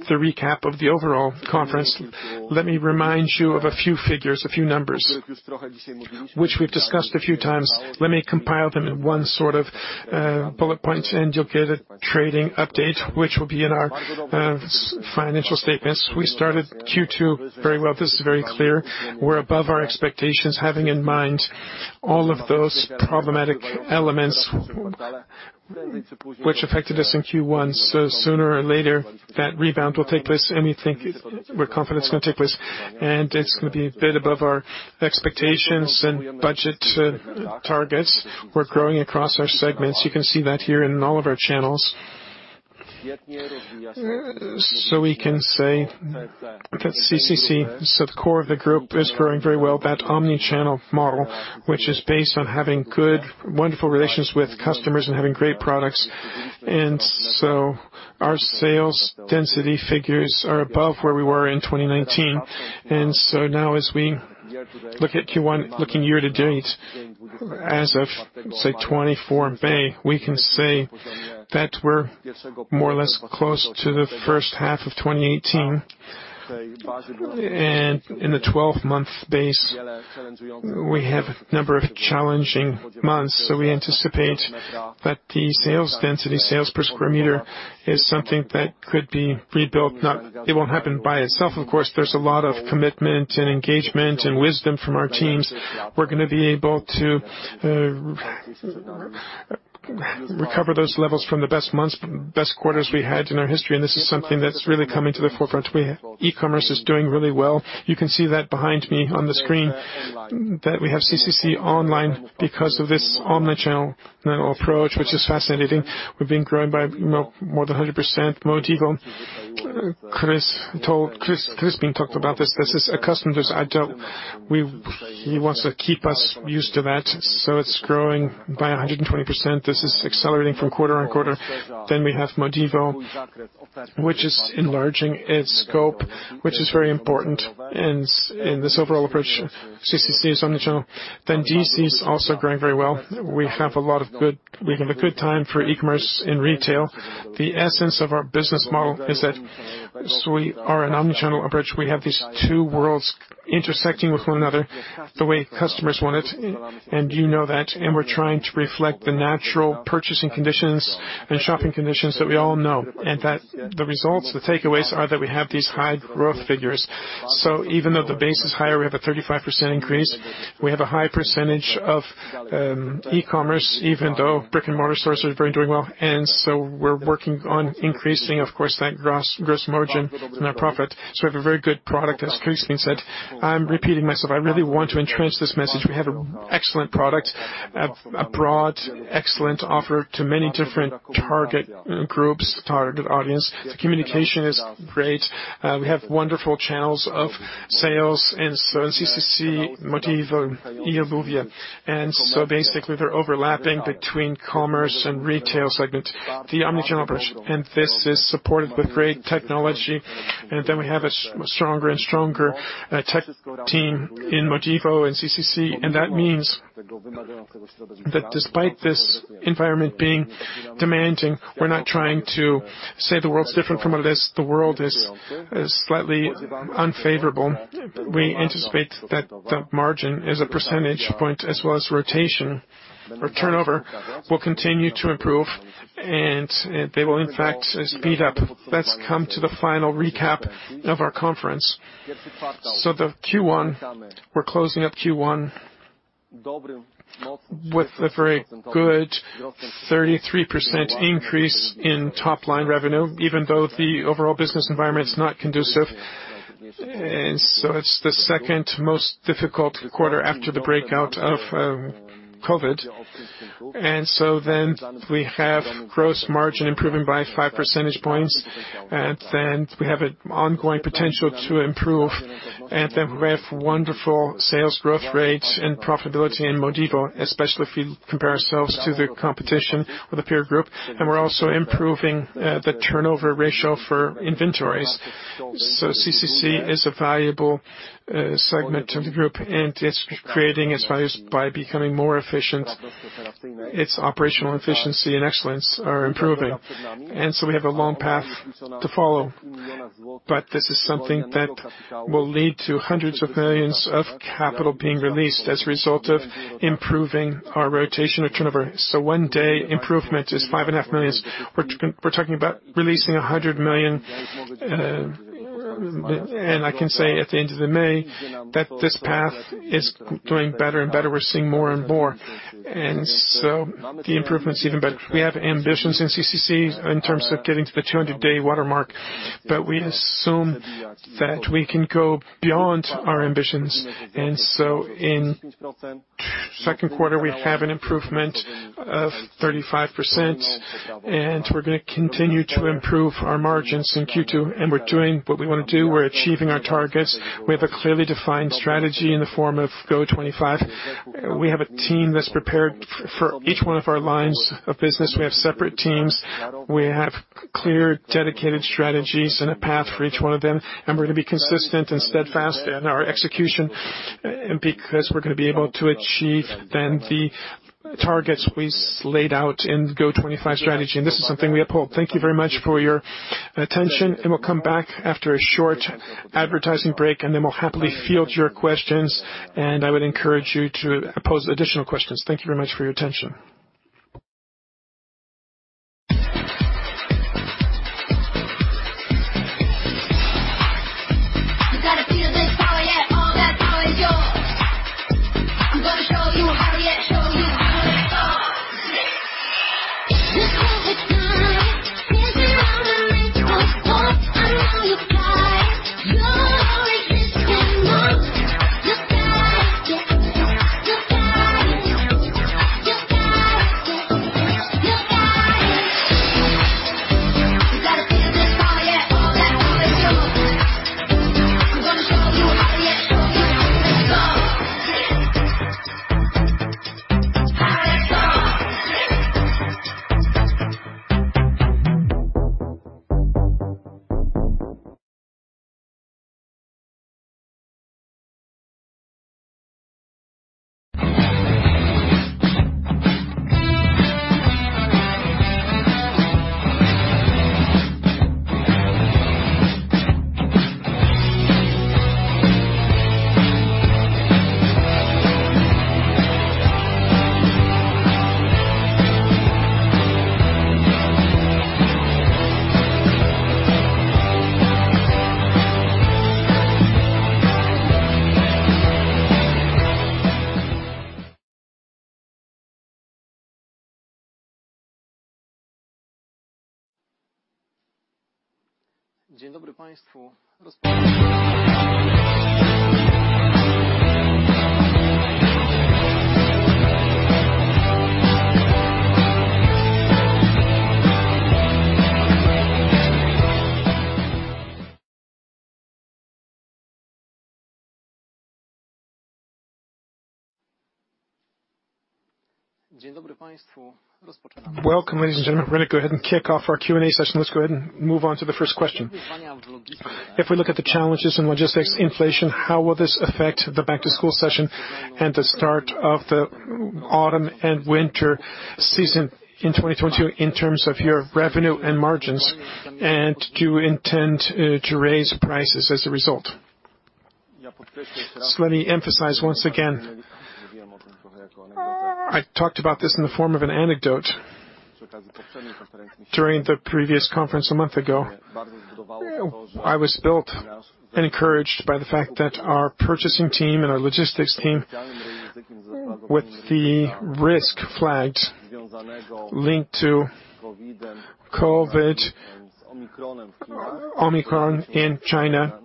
the recap of the overall conference, let me remind you of a few figures, a few numbers which we've discussed a few times. Let me compile them in one sort of bullet points and you'll get a trading update, which will be in our financial statements. We started Q2 very well. This is very clear. We're above our expectations, having in mind all of those problematic elements which affected us in Q1. Sooner or later, that rebound will take place, and we think it. We're confident it's gonna take place, and it's gonna be a bit above our expectations and budget targets. We're growing across our segments. You can see that here in all of our channels. We can say that CCC, so the core of the group, is growing very well. That omni-channel model, which is based on having good, wonderful relations with customers and having great products. Our sales density figures are above where we were in 2019. Now as we look at Q1, looking year to date, as of, say, May 24, we can say that we're more or less close to the first half of 2018. In the 12-month base, we have a number of challenging months, so we anticipate that the sales density, sales per square meter, is something that could be rebuilt. It won't happen by itself, of course, there's a lot of commitment, and engagement, and wisdom from our teams. We're gonna be able to recover those levels from the best months, best quarters we had in our history, and this is something that's really coming to the forefront. E-commerce is doing really well. You can see that behind me on the screen, that we have CCC online because of this omni-channel approach, which is fascinating. We've been growing by more than 100%. Modivo. Kryspin Derejczyk talked about this. This is a customer's ideal. He wants to keep us used to that, so it's growing by 120%. This is accelerating quarter-over-quarter. Then we have Modivo, which is enlarging its scope, which is very important in this overall approach, CCC's omni-channel. Then DeeZee is also growing very well. We have a good time for e-commerce in retail. The essence of our business model is that we are an omni-channel approach. We have these two worlds intersecting with one another the way customers want it, and you know that, and we're trying to reflect the natural purchasing conditions and shopping conditions that we all know. The results, the takeaways are that we have these high growth figures. Even though the base is higher, we have a 35% increase. We have a high percentage of e-commerce, even though brick-and-mortar stores are doing very well. We're working on increasing, of course, that gross margin and our profit. We have a very good product, as Kryspin said. I'm repeating myself. I really want to entrench this message. We have excellent product, a broad, excellent offer to many different target groups, targeted audience. The communication is great. We have wonderful channels of sales, CCC, Modivo, Eobuwie. Basically, they're overlapping between e-commerce and retail segment, the omni-channel approach. This is supported with great technology. We have a stronger and stronger tech team in Modivo and CCC. That means that despite this environment being demanding, we're not trying to say the world's different from what it is. The world is slightly unfavorable. We anticipate that the margin is a percentage point, as well as rotation or turnover, will continue to improve, and they will in fact speed up. Let's come to the final recap of our conference. The Q1, we're closing up Q1 with a very good 33% increase in top-line revenue, even though the overall business environment's not conducive. It's the second most difficult quarter after the breakout of COVID. We have gross margin improving by 5 percentage points. We have an ongoing potential to improve. We have wonderful sales growth rate and profitability in Modivo, especially if we compare ourselves to the competition or the peer group. We're also improving the turnover ratio for inventories. CCC is a valuable segment of the group, and it's creating its values by becoming more efficient. Its operational efficiency and excellence are improving. We have a long path to follow, but this is something that will lead to hundreds of millions PLN of capital being released as a result of improving our rotation or turnover. One day, improvement is 5.5 million PLN. We're talking about releasing 100 million, and I can say at the end of May that this path is doing better and better. We're seeing more and more. The improvement's even better. We have ambitions in CCC in terms of getting to the 200-day watermark, but we assume that we can go beyond our ambitions. In second quarter, we have an improvement of 35%, and we're gonna continue to improve our margins in Q2, and we're doing what we wanna do. We're achieving our targets. We have a clearly defined strategy in the form of GO.25. We have a team that's prepared for each one of our lines of business. We have separate teams. We have clear, dedicated strategies and a path for each one of them, and we're gonna be consistent and steadfast in our execution. Because we're gonna be able to achieve the targets we laid out in GO.25 strategy, and this is something we uphold. Thank you very much for your attention, and we'll come back after a short advertising break, and then we'll happily field your questions, and I would encourage you to pose additional questions. Thank you very much for your attention. Welcome, ladies and gentlemen. We're gonna go ahead and kick off our Q&A session. Let's go ahead and move on to the first question. If we look at the challenges in logistics, inflation, how will this affect the back-to-school session and the start of the autumn and winter season in 2022 in terms of your revenue and margins? And do you intend to raise prices as a result? Let me emphasize once again. I talked about this in the form of an anecdote during the previous conference a month ago. I was built and encouraged by the fact that our purchasing team and our logistics team, with the risk flags linked to COVID, Omicron in China,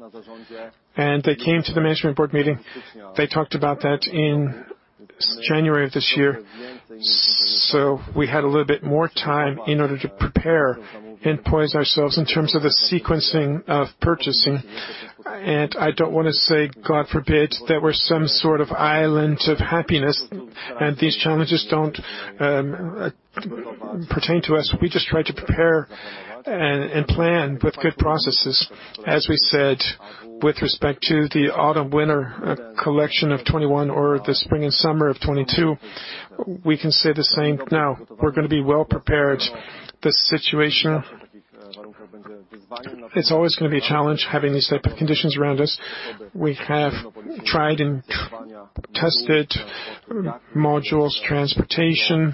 and they came to the management board meeting. They talked about that in January of this year. We had a little bit more time in order to prepare and poise ourselves in terms of the sequencing of purchasing. I don't wanna say, God forbid, that we're some sort of island of happiness, and these challenges don't pertain to us. We just try to prepare and plan with good processes. As we said, with respect to the autumn-winter collection of 2021 or the spring and summer of 2022, we can say the same now. We're gonna be well-prepared. The situation, it's always gonna be a challenge having these type of conditions around us. We have tried and tested modules, transportation.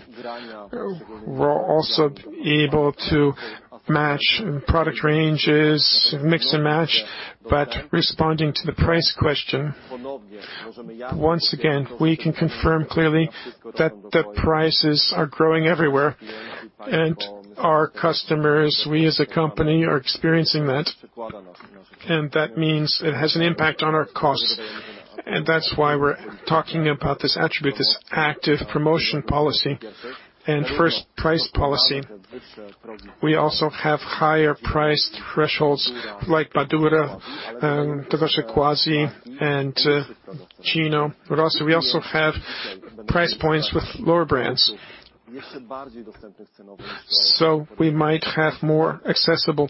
We're also able to match product ranges, mix and match. Responding to the price question, once again, we can confirm clearly that prices are growing everywhere. Our customers, we as a company, are experiencing that, and that means it has an impact on our costs. That's why we're talking about this attribute, this active promotion policy and first price policy. We also have higher price thresholds like Badura, Quazi, and Gino. We also have price points with lower brands. We might have more accessible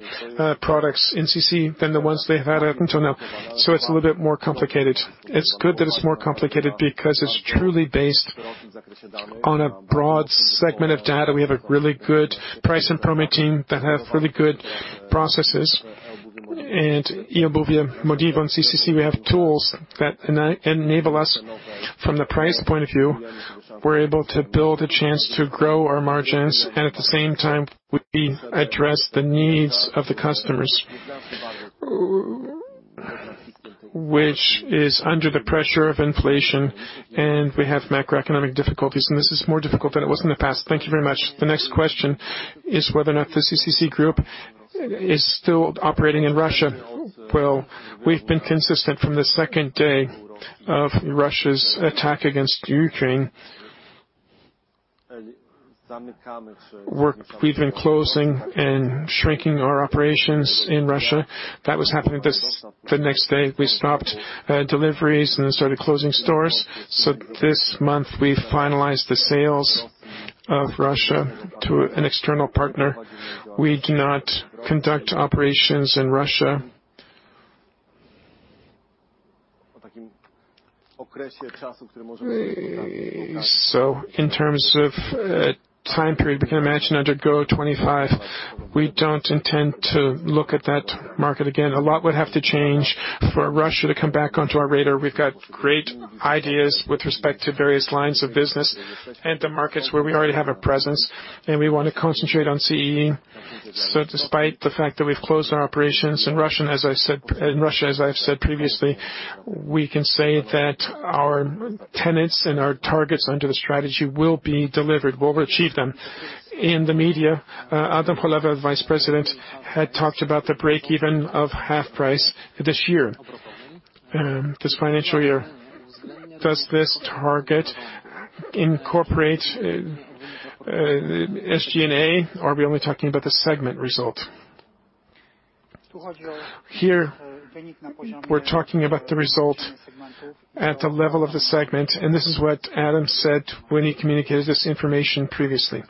products in CCC than the ones they had up until now. It's a little bit more complicated. It's good that it's more complicated because it's truly based on a broad segment of data. We have a really good price and promo team that have really good processes. Eobuwie, Modivo, and CCC, we have tools that enable us. From the price point of view, we're able to build a chance to grow our margins and at the same time, we address the needs of the customers, which is under the pressure of inflation, and we have macroeconomic difficulties, and this is more difficult than it was in the past. Thank you very much. The next question is whether or not the CCC Group is still operating in Russia. Well, we've been consistent from the second day of Russia's attack against Ukraine. We've been closing and shrinking our operations in Russia. The next day, we stopped deliveries and started closing stores. So this month, we finalized the sale of Russia to an external partner. We do not conduct operations in Russia. In terms of time period, we can imagine under GO.25, we don't intend to look at that market again. A lot would have to change for Russia to come back onto our radar. We've got great ideas with respect to various lines of business and the markets where we already have a presence, and we wanna concentrate on CEE. Despite the fact that we've closed our operations in Russia, as I said. In Russia, as I've said previously, we can say that our tenets and our targets under the strategy will be delivered. We'll achieve them. In the media, Adam Holewa, Vice President, had talked about the breakeven of HalfPrice this year, this financial year. Does this target incorporate SG&A, or are we only talking about the segment result? Here, we're talking about the result at the level of the segment, and this is what Adam said when he communicated this information previously.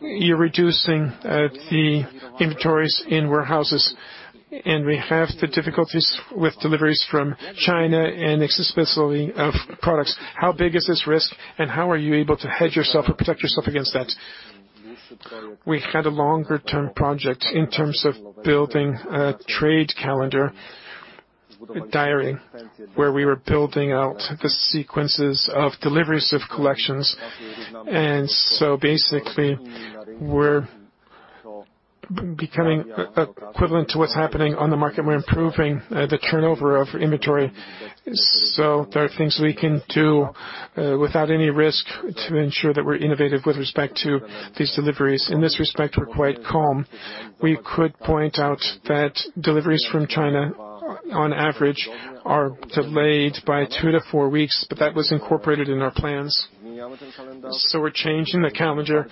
You're reducing the inventories in warehouses, and we have the difficulties with deliveries from China and accessibility of products. How big is this risk, and how are you able to hedge yourself or protect yourself against that? We had a longer-term project in terms of building a trade calendar, a diary, where we were building out the sequences of deliveries of collections. Basically, we're becoming e-equivalent to what's happening on the market. We're improving the turnover of inventory. There are things we can do without any risk to ensure that we're innovative with respect to these deliveries. In this respect, we're quite calm. We could point out that deliveries from China on average are delayed by two to four weeks, but that was incorporated in our plans. We're changing the calendar.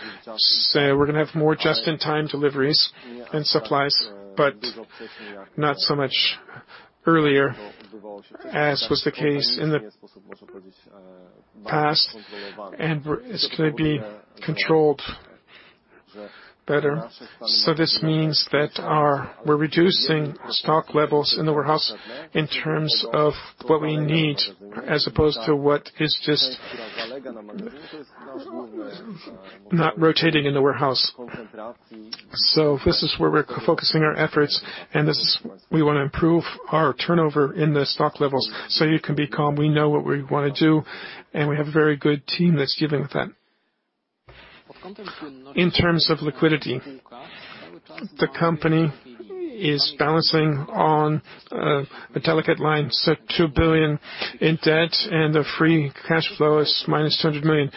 We're gonna have more just-in-time deliveries and supplies, but not so much earlier as was the case in the past. It's gonna be controlled better. This means that we're reducing stock levels in the warehouse in terms of what we need as opposed to what is just not rotating in the warehouse. This is where we're focusing our efforts, and we wanna improve our turnover in the stock levels. You can be calm. We know what we wanna do, and we have a very good team that's dealing with that. In terms of liquidity, the company is balancing on a delicate line. 2 billion in debt and the free cash flow is -200 million.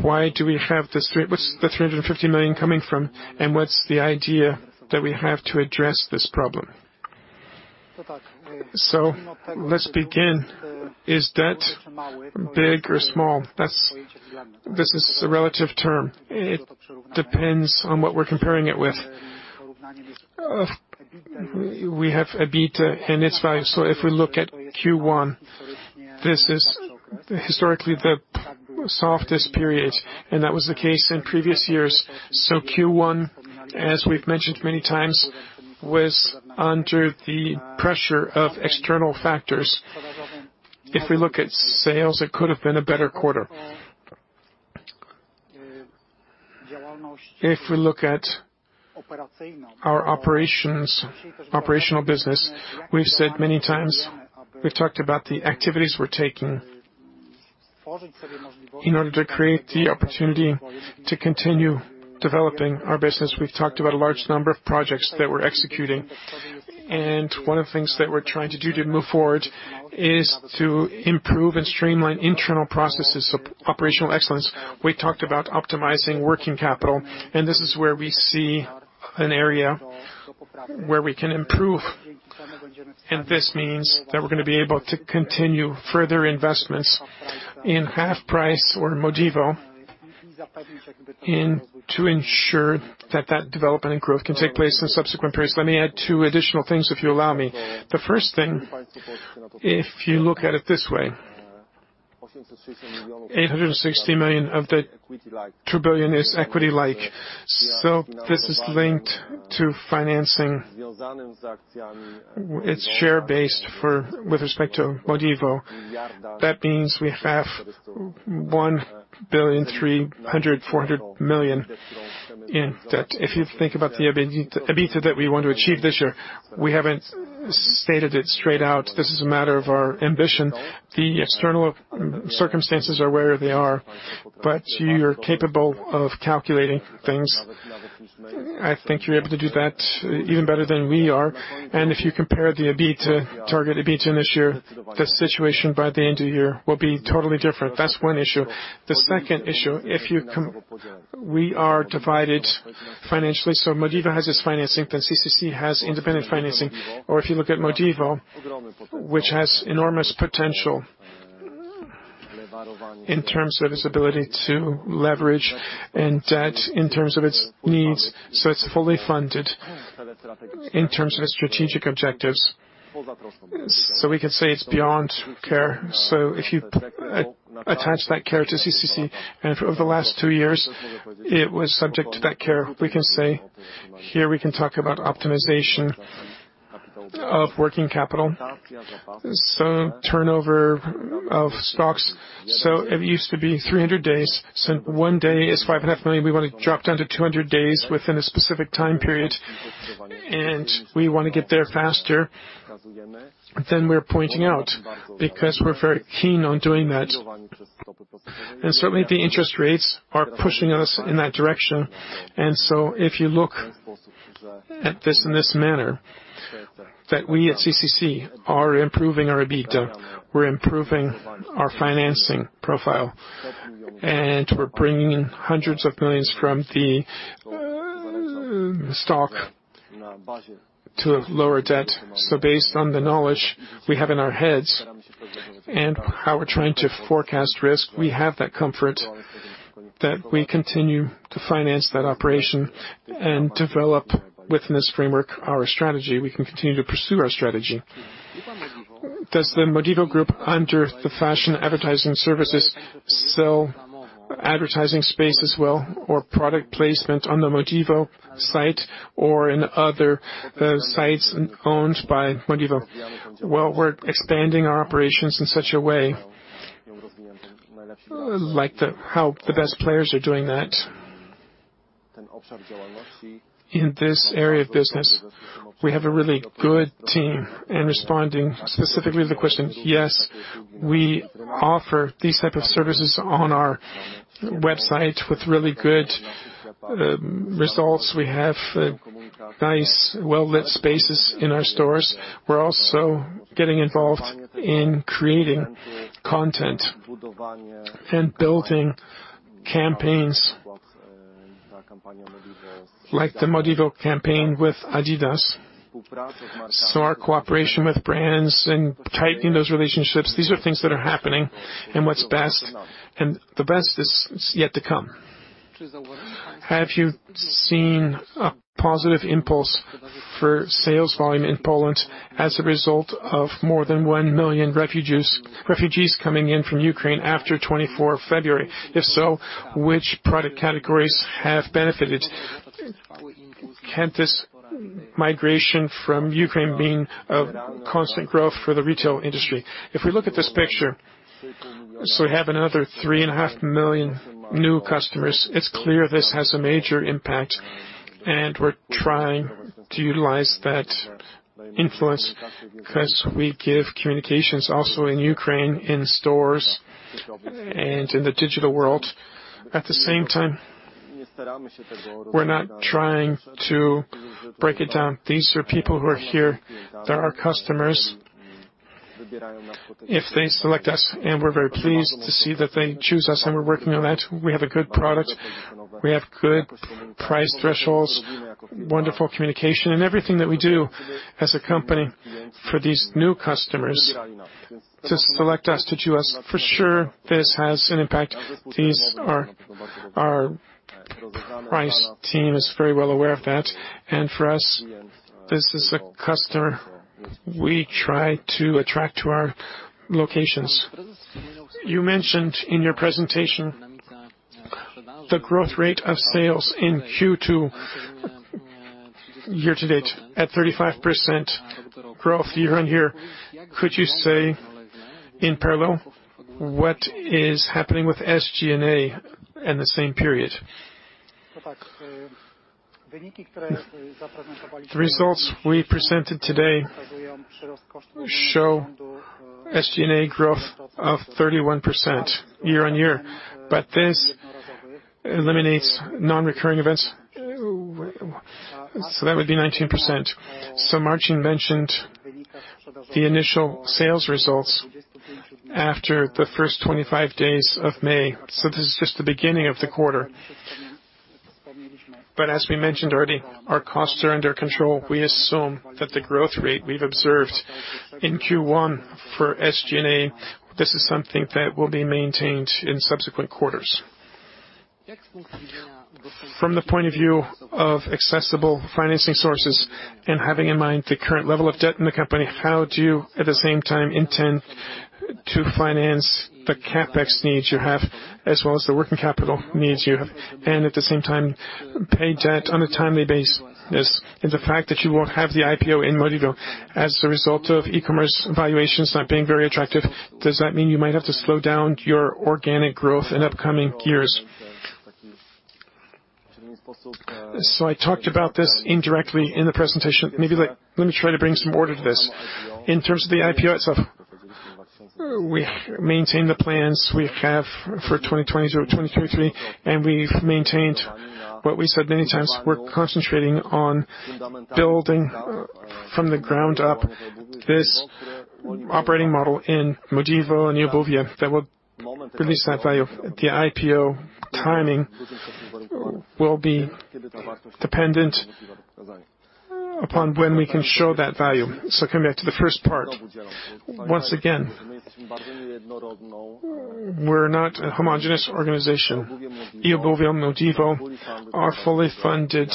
Why do we have... Where's the 350 million coming from, and what's the idea that we have to address this problem? Let's begin. Is debt big or small? This is a relative term. It depends on what we're comparing it with. We have EBITDA and its value. If we look at Q1, this is historically the softest period, and that was the case in previous years. Q1, as we've mentioned many times, was under the pressure of external factors. If we look at sales, it could have been a better quarter. If we look at our operations, operational business, we've said many times, we've talked about the activities we're taking in order to create the opportunity to continue developing our business. We've talked about a large number of projects that we're executing. One of the things that we're trying to do to move forward is to improve and streamline internal processes of operational excellence. We talked about optimizing working capital, and this is where we see an area where we can improve. This means that we're gonna be able to continue further investments in HalfPrice or Modivo and to ensure that that development and growth can take place in subsequent periods. Let me add two additional things if you allow me. The first thing, if you look at it this way, 860 million of the 2 billion is equity-like. This is linked to financing. It's share-based for, with respect to Modivo. That means we have 1.3 billion-1.4 billion in debt. If you think about the EBITDA that we want to achieve this year, we haven't stated it straight out. This is a matter of our ambition. The external circumstances are where they are, but you're capable of calculating things. I think you're able to do that even better than we are. If you compare the EBITDA, target EBITDA this year, the situation by the end of the year will be totally different. That's one issue. The second issue, we are divided financially. Modivo has its financing, then CCC has independent financing. If you look at Modivo, which has enormous potential in terms of its ability to leverage and debt in terms of its needs, it's fully funded in terms of its strategic objectives. We can say it's beyond care. If you attach that care to CCC, and for the last two years, it was subject to that care, we can say, here we can talk about optimization of working capital. Turnover of stocks. It used to be 300 days. One day is 5.5 million. We wanna drop down to 200 days within a specific time period, and we wanna get there faster than we're pointing out, because we're very keen on doing that. Certainly, the interest rates are pushing us in that direction. If you look at this in this manner, that we at CCC are improving our EBITDA, we're improving our financing profile, and we're bringing in hundreds of millions from the stock to lower debt. Based on the knowledge we have in our heads and how we're trying to forecast risk, we have that comfort that we continue to finance that operation and develop within this framework, our strategy. We can continue to pursue our strategy. Does the Modivo group, under the fashion advertising services, sell advertising space as well or product placement on the Modivo site or in other, sites owned by Modivo? Well, we're expanding our operations in such a way, like how the best players are doing that. In this area of business, we have a really good team. In responding specifically to the question, yes, we offer these types of services on our website with really good, results. We have nice well-lit spaces in our stores. We're also getting involved in creating content and building campaigns like the Modivo campaign with adidas. Our cooperation with brands and tightening those relationships, these are things that are happening. What's best, the best is yet to come. Have you seen a positive impulse for sales volume in Poland as a result of more than 1 million refugees coming in from Ukraine after February 24th? If so, which product categories have benefited? Can this migration from Ukraine mean a constant growth for the retail industry? If we look at this picture, so we have another 3.5 million new customers, it's clear this has a major impact, and we're trying to utilize that influence 'cause we give communications also in Ukraine, in stores and in the digital world. At the same time, we're not trying to break it down. These are people who are here. They're our customers. If they select us, and we're very pleased to see that they choose us, and we're working on that, we have a good product, we have good price thresholds, wonderful communication, and everything that we do as a company for these new customers to select us, to choose us, for sure, this has an impact. Price team is very well aware of that. For us, this is a customer we try to attract to our locations. You mentioned in your presentation the growth rate of sales in Q2 year-to-date at 35% growth year-on-year. Could you say in parallel what is happening with SG&A in the same period? The results we presented today show SG&A growth of 31% year-on-year, but this eliminates non-recurring events. That would be 19%. Marcin mentioned the initial sales results after the first 25 days of May. This is just the beginning of the quarter. As we mentioned already, our costs are under control. We assume that the growth rate we've observed in Q1 for SG&A, this is something that will be maintained in subsequent quarters. From the point of view of accessible financing sources and having in mind the current level of debt in the company, how do you at the same time intend to finance the CapEx needs you have, as well as the working capital needs you have, and at the same time, pay debt on a timely basis? The fact that you won't have the IPO in Modivo as a result of e-commerce valuations not being very attractive, does that mean you might have to slow down your organic growth in upcoming years? I talked about this indirectly in the presentation. Maybe let me try to bring some order to this. In terms of the IPO itself, we maintain the plans we have for 2020-2023, and we've maintained what we said many times. We're concentrating on building from the ground up this operating model in Modivo and Eobuwie that will release that value. The IPO timing will be dependent upon when we can show that value. Coming back to the first part, once again, we're not a homogeneous organization. Eobuwie and Modivo are fully funded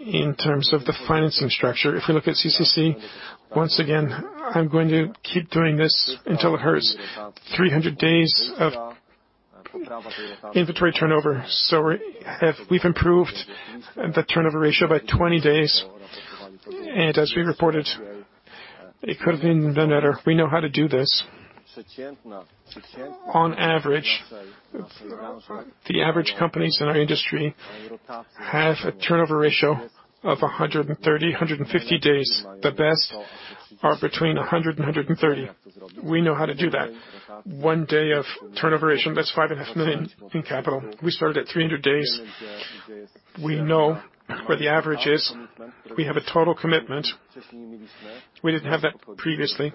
in terms of the financing structure. If we look at CCC, once again, I'm going to keep doing this until it hurts. 300 days of inventory turnover. We've improved the turnover ratio by 20 days, and as we reported, it could have been better. We know how to do this. On average, companies in our industry have a turnover ratio of 130-150 days. The best are between 100 and 130. We know how to do that. One day of turnover ratio, that's 5.5 million in capital. We started at 300 days. We know where the average is. We have a total commitment. We didn't have that previously.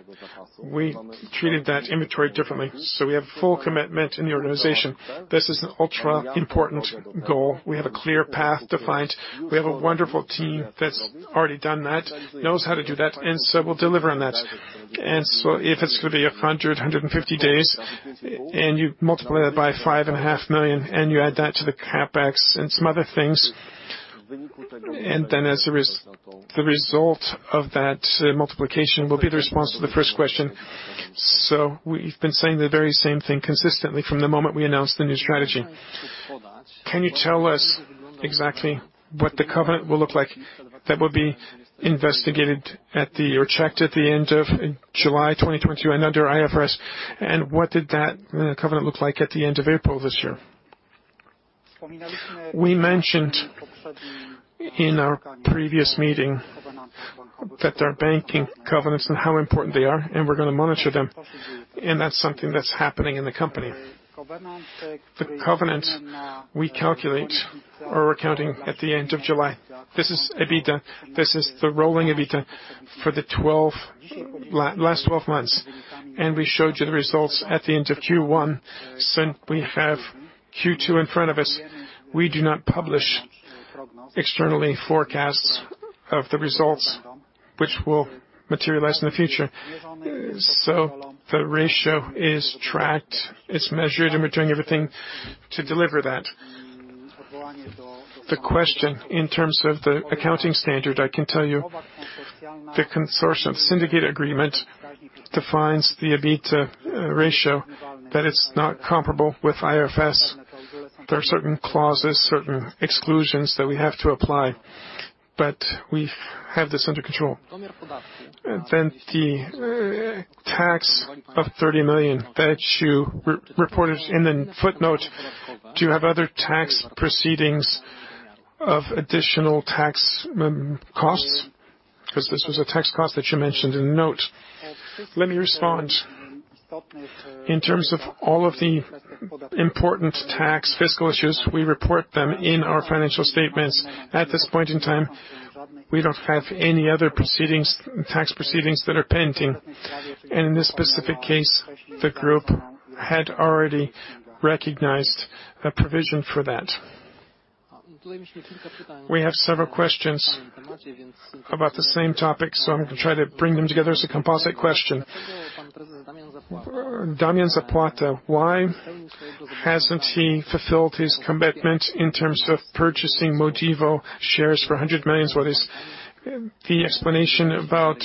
We treated that inventory differently, so we have full commitment in the organization. This is an ultra-important goal. We have a clear path defined. We have a wonderful team that's already done that, knows how to do that, and so will deliver on that. If it's gonna be 150 days, and you multiply that by 5.5 million, and you add that to the CapEx and some other things, and then the result of that multiplication will be the response to the first question. We've been saying the very same thing consistently from the moment we announced the new strategy. Can you tell us exactly what the covenant will look like that will be investigated at the or checked at the end of July 2021 under IFRS, and what did that covenant look like at the end of April this year? We mentioned in our previous meeting that there are banking covenants and how important they are, and we're gonna monitor them, and that's something that's happening in the company. The covenant we calculate or we're counting at the end of July. This is EBITDA. This is the rolling EBITDA for the last 12 months, and we showed you the results at the end of Q1. Since we have Q2 in front of us, we do not publish externally forecasts of the results which will materialize in the future. The ratio is tracked, it's measured, and we're doing everything to deliver that. The question in terms of the accounting standard, I can tell you the consortium syndicate agreement defines the EBITDA ratio, that it's not comparable with IFRS. There are certain clauses, certain exclusions that we have to apply, but we have this under control. The tax of 30 million that you reported in the footnote, do you have other tax proceedings of additional tax costs? 'Cause this was a tax cost that you mentioned in the note. Let me respond. In terms of all of the important tax fiscal issues, we report them in our financial statements. At this point in time, we don't have any other proceedings, tax proceedings that are pending. In this specific case, the group had already recognized a provision for that. We have several questions about the same topic, so I'm gonna try to bring them together as a composite question. Dariusz Miłek, why hasn't he fulfilled his commitment in terms of purchasing Modivo shares for 100 million? The explanation about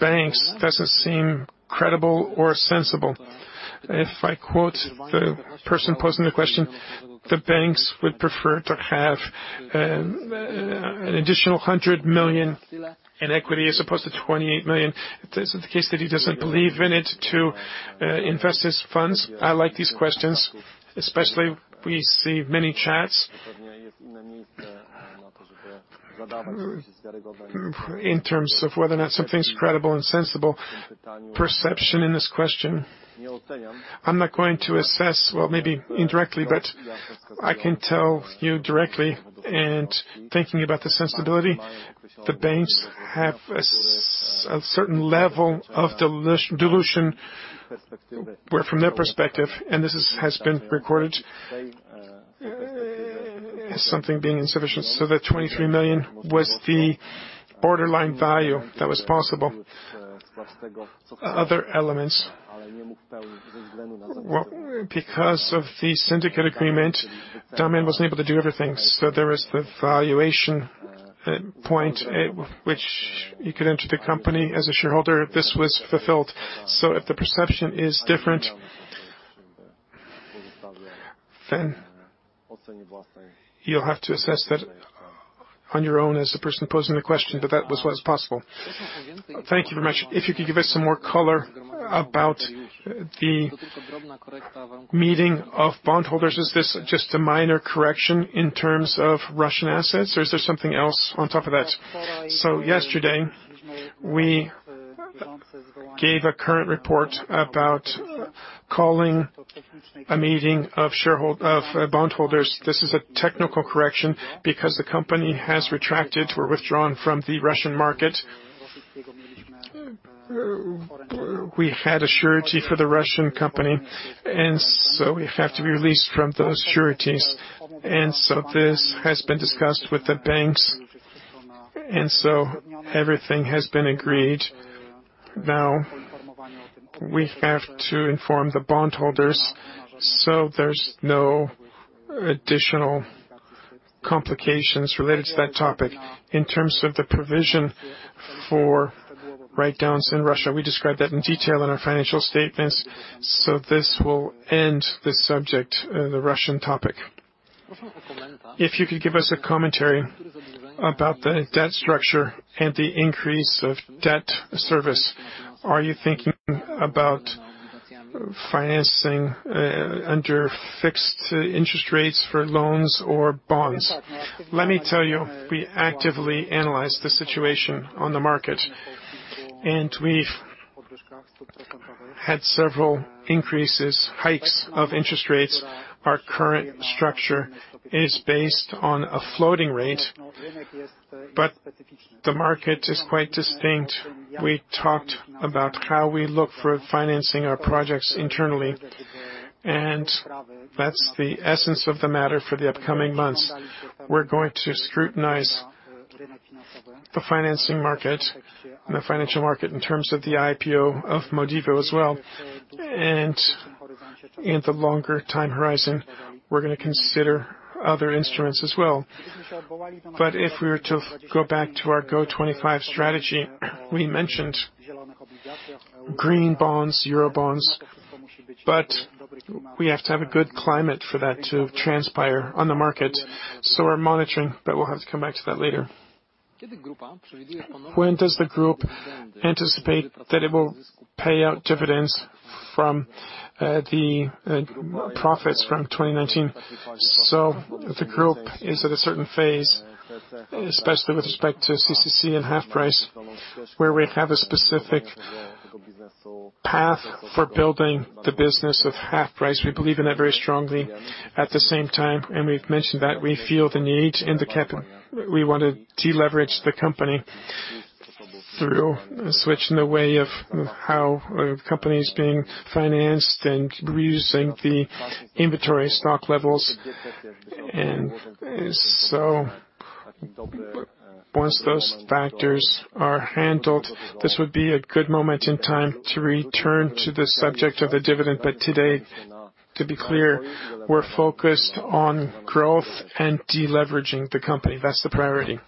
banks doesn't seem credible or sensible. If I quote the person posing the question, the banks would prefer to have an additional 100 million in equity as opposed to 28 million. Is it the case that he doesn't believe in it to invest his funds? I like these questions, especially we see many chats. In terms of whether or not something's credible and sensible perception in this question, I'm not going to assess. Well, maybe indirectly, but I can tell you directly and thinking about the sensibility, the banks have a certain level of dilution where from their perspective, and this has been recorded, as something being insufficient. The 23 million was the borderline value that was possible. Other elements. Well, because of the syndicate agreement, Dariusz Miłek wasn't able to do everything. There was the valuation point at which you could enter the company as a shareholder. This was fulfilled. If the perception is different, then you'll have to assess that on your own as the person posing the question, but that was what was possible. Thank you very much. If you could give us some more color about the meeting of bondholders? Is this just a minor correction in terms of Russian assets, or is there something else on top of that? Yesterday, we gave a current report about calling a meeting of bondholders. This is a technical correction because the company has retracted or withdrawn from the Russian market. We had a surety for the Russian company, and so we have to be released from those sureties. This has been discussed with the banks, and so everything has been agreed. Now we have to inform the bondholders so there's no additional complications related to that topic. In terms of the provision for write-downs in Russia, we described that in detail in our financial statements. This will end the subject, the Russian topic. If you could give us a commentary about the debt structure and the increase of debt service. Are you thinking about financing under fixed interest rates for loans or bonds? Let me tell you, we actively analyze the situation on the market, and we've had several increases, hikes of interest rates. Our current structure is based on a floating rate, but the market is quite distinct. We talked about how we look for financing our projects internally, and that's the essence of the matter for the upcoming months. We're going to scrutinize the financing market and the financial market in terms of the IPO of Modivo as well. The longer time horizon, we're gonna consider other instruments as well. If we were to go back to our GO.25 strategy, we mentioned green bonds, euro bonds, but we have to have a good climate for that to transpire on the market. We're monitoring, but we'll have to come back to that later. When does the group anticipate that it will pay out dividends from the profits from 2019? The group is at a certain phase, especially with respect to CCC and HalfPrice, where we have a specific path for building the business of HalfPrice. We believe in that very strongly. At the same time, and we've mentioned that, we feel the need. We want to deleverage the company through switching the way of how a company's being financed and reducing the inventory stock levels. Once those factors are handled, this would be a good moment in time to return to the subject of the dividend. Today, to be clear, we're focused on growth and deleveraging the company. That's the priority.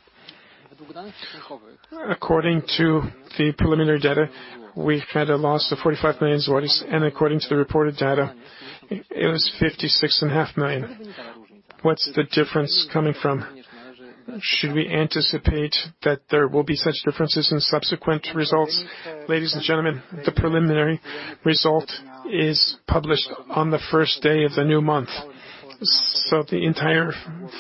According to the preliminary data, we had a loss of 45 million zlotys and according to the reported data, it was 56.5 million. What's the difference coming from? Should we anticipate that there will be such differences in subsequent results? Ladies and gentlemen, the preliminary result is published on the first day of the new month. The entire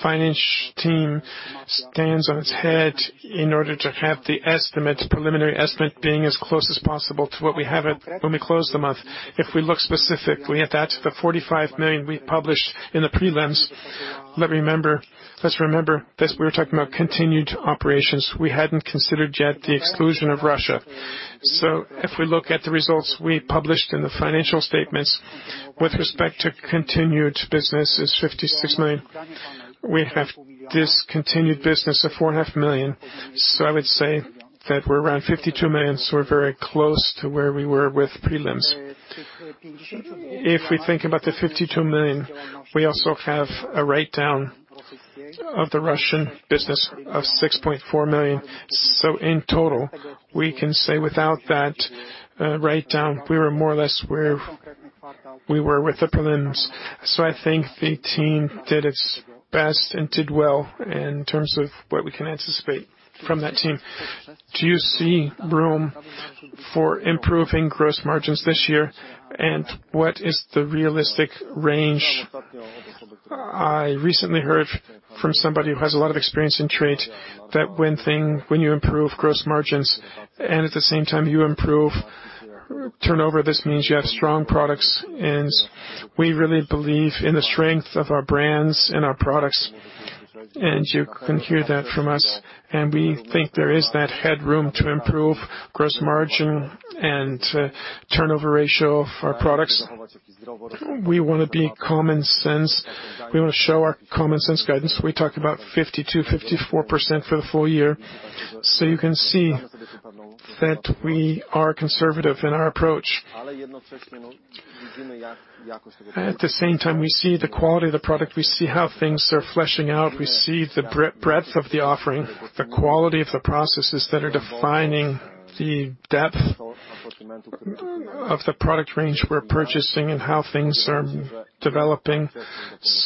finance team stands on its head in order to have the estimate, preliminary estimate being as close as possible to what we have when we close the month. If we look specifically at that, the 45 million we published in the prelims, let's remember that we were talking about continued operations. We hadn't considered yet the exclusion of Russia. If we look at the results we published in the financial statements, with respect to continued business is 56 million. We have discontinued business of 4.5 million. I would say that we're around 52 million, so we're very close to where we were with prelims. If we think about the 52 million, we also have a write-down of the Russian business of 6.4 million. In total, we can say without that write-down, we were more or less where we were with the prelims. I think the team did its best and did well in terms of what we can anticipate from that team. Do you see room for improving gross margins this year? What is the realistic range? I recently heard from somebody who has a lot of experience in trade that when you improve gross margins and at the same time you improve turnover, this means you have strong products. We really believe in the strength of our brands and our products, and you can hear that from us. We think there is that headroom to improve gross margin and turnover ratio of our products. We wanna be common sense. We wanna show our common sense guidance. We talked about 52%-54% for the full year. You can see that we are conservative in our approach. At the same time, we see the quality of the product. We see how things are fleshing out. We see the breadth of the offering, the quality of the processes that are defining the depth of the product range we're purchasing and how things are developing.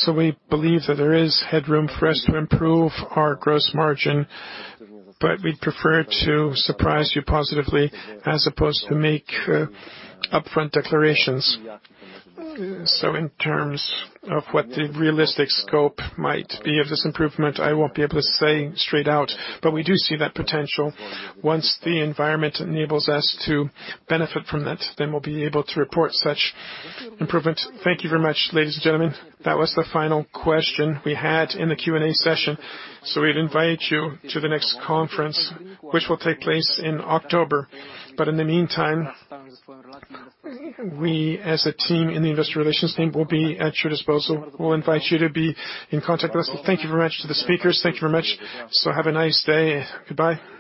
We believe that there is headroom for us to improve our gross margin, but we'd prefer to surprise you positively as opposed to make upfront declarations. In terms of what the realistic scope might be of this improvement, I won't be able to say straight out, but we do see that potential. Once the environment enables us to benefit from that, then we'll be able to report such improvement. Thank you very much, ladies and gentlemen. That was the final question we had in the Q&A session. We'd invite you to the next conference, which will take place in October. In the meantime, we as a team in the investor relations team will be at your disposal. We'll invite you to be in contact with us. Thank you very much to the speakers. Thank you very much. Have a nice day. Goodbye.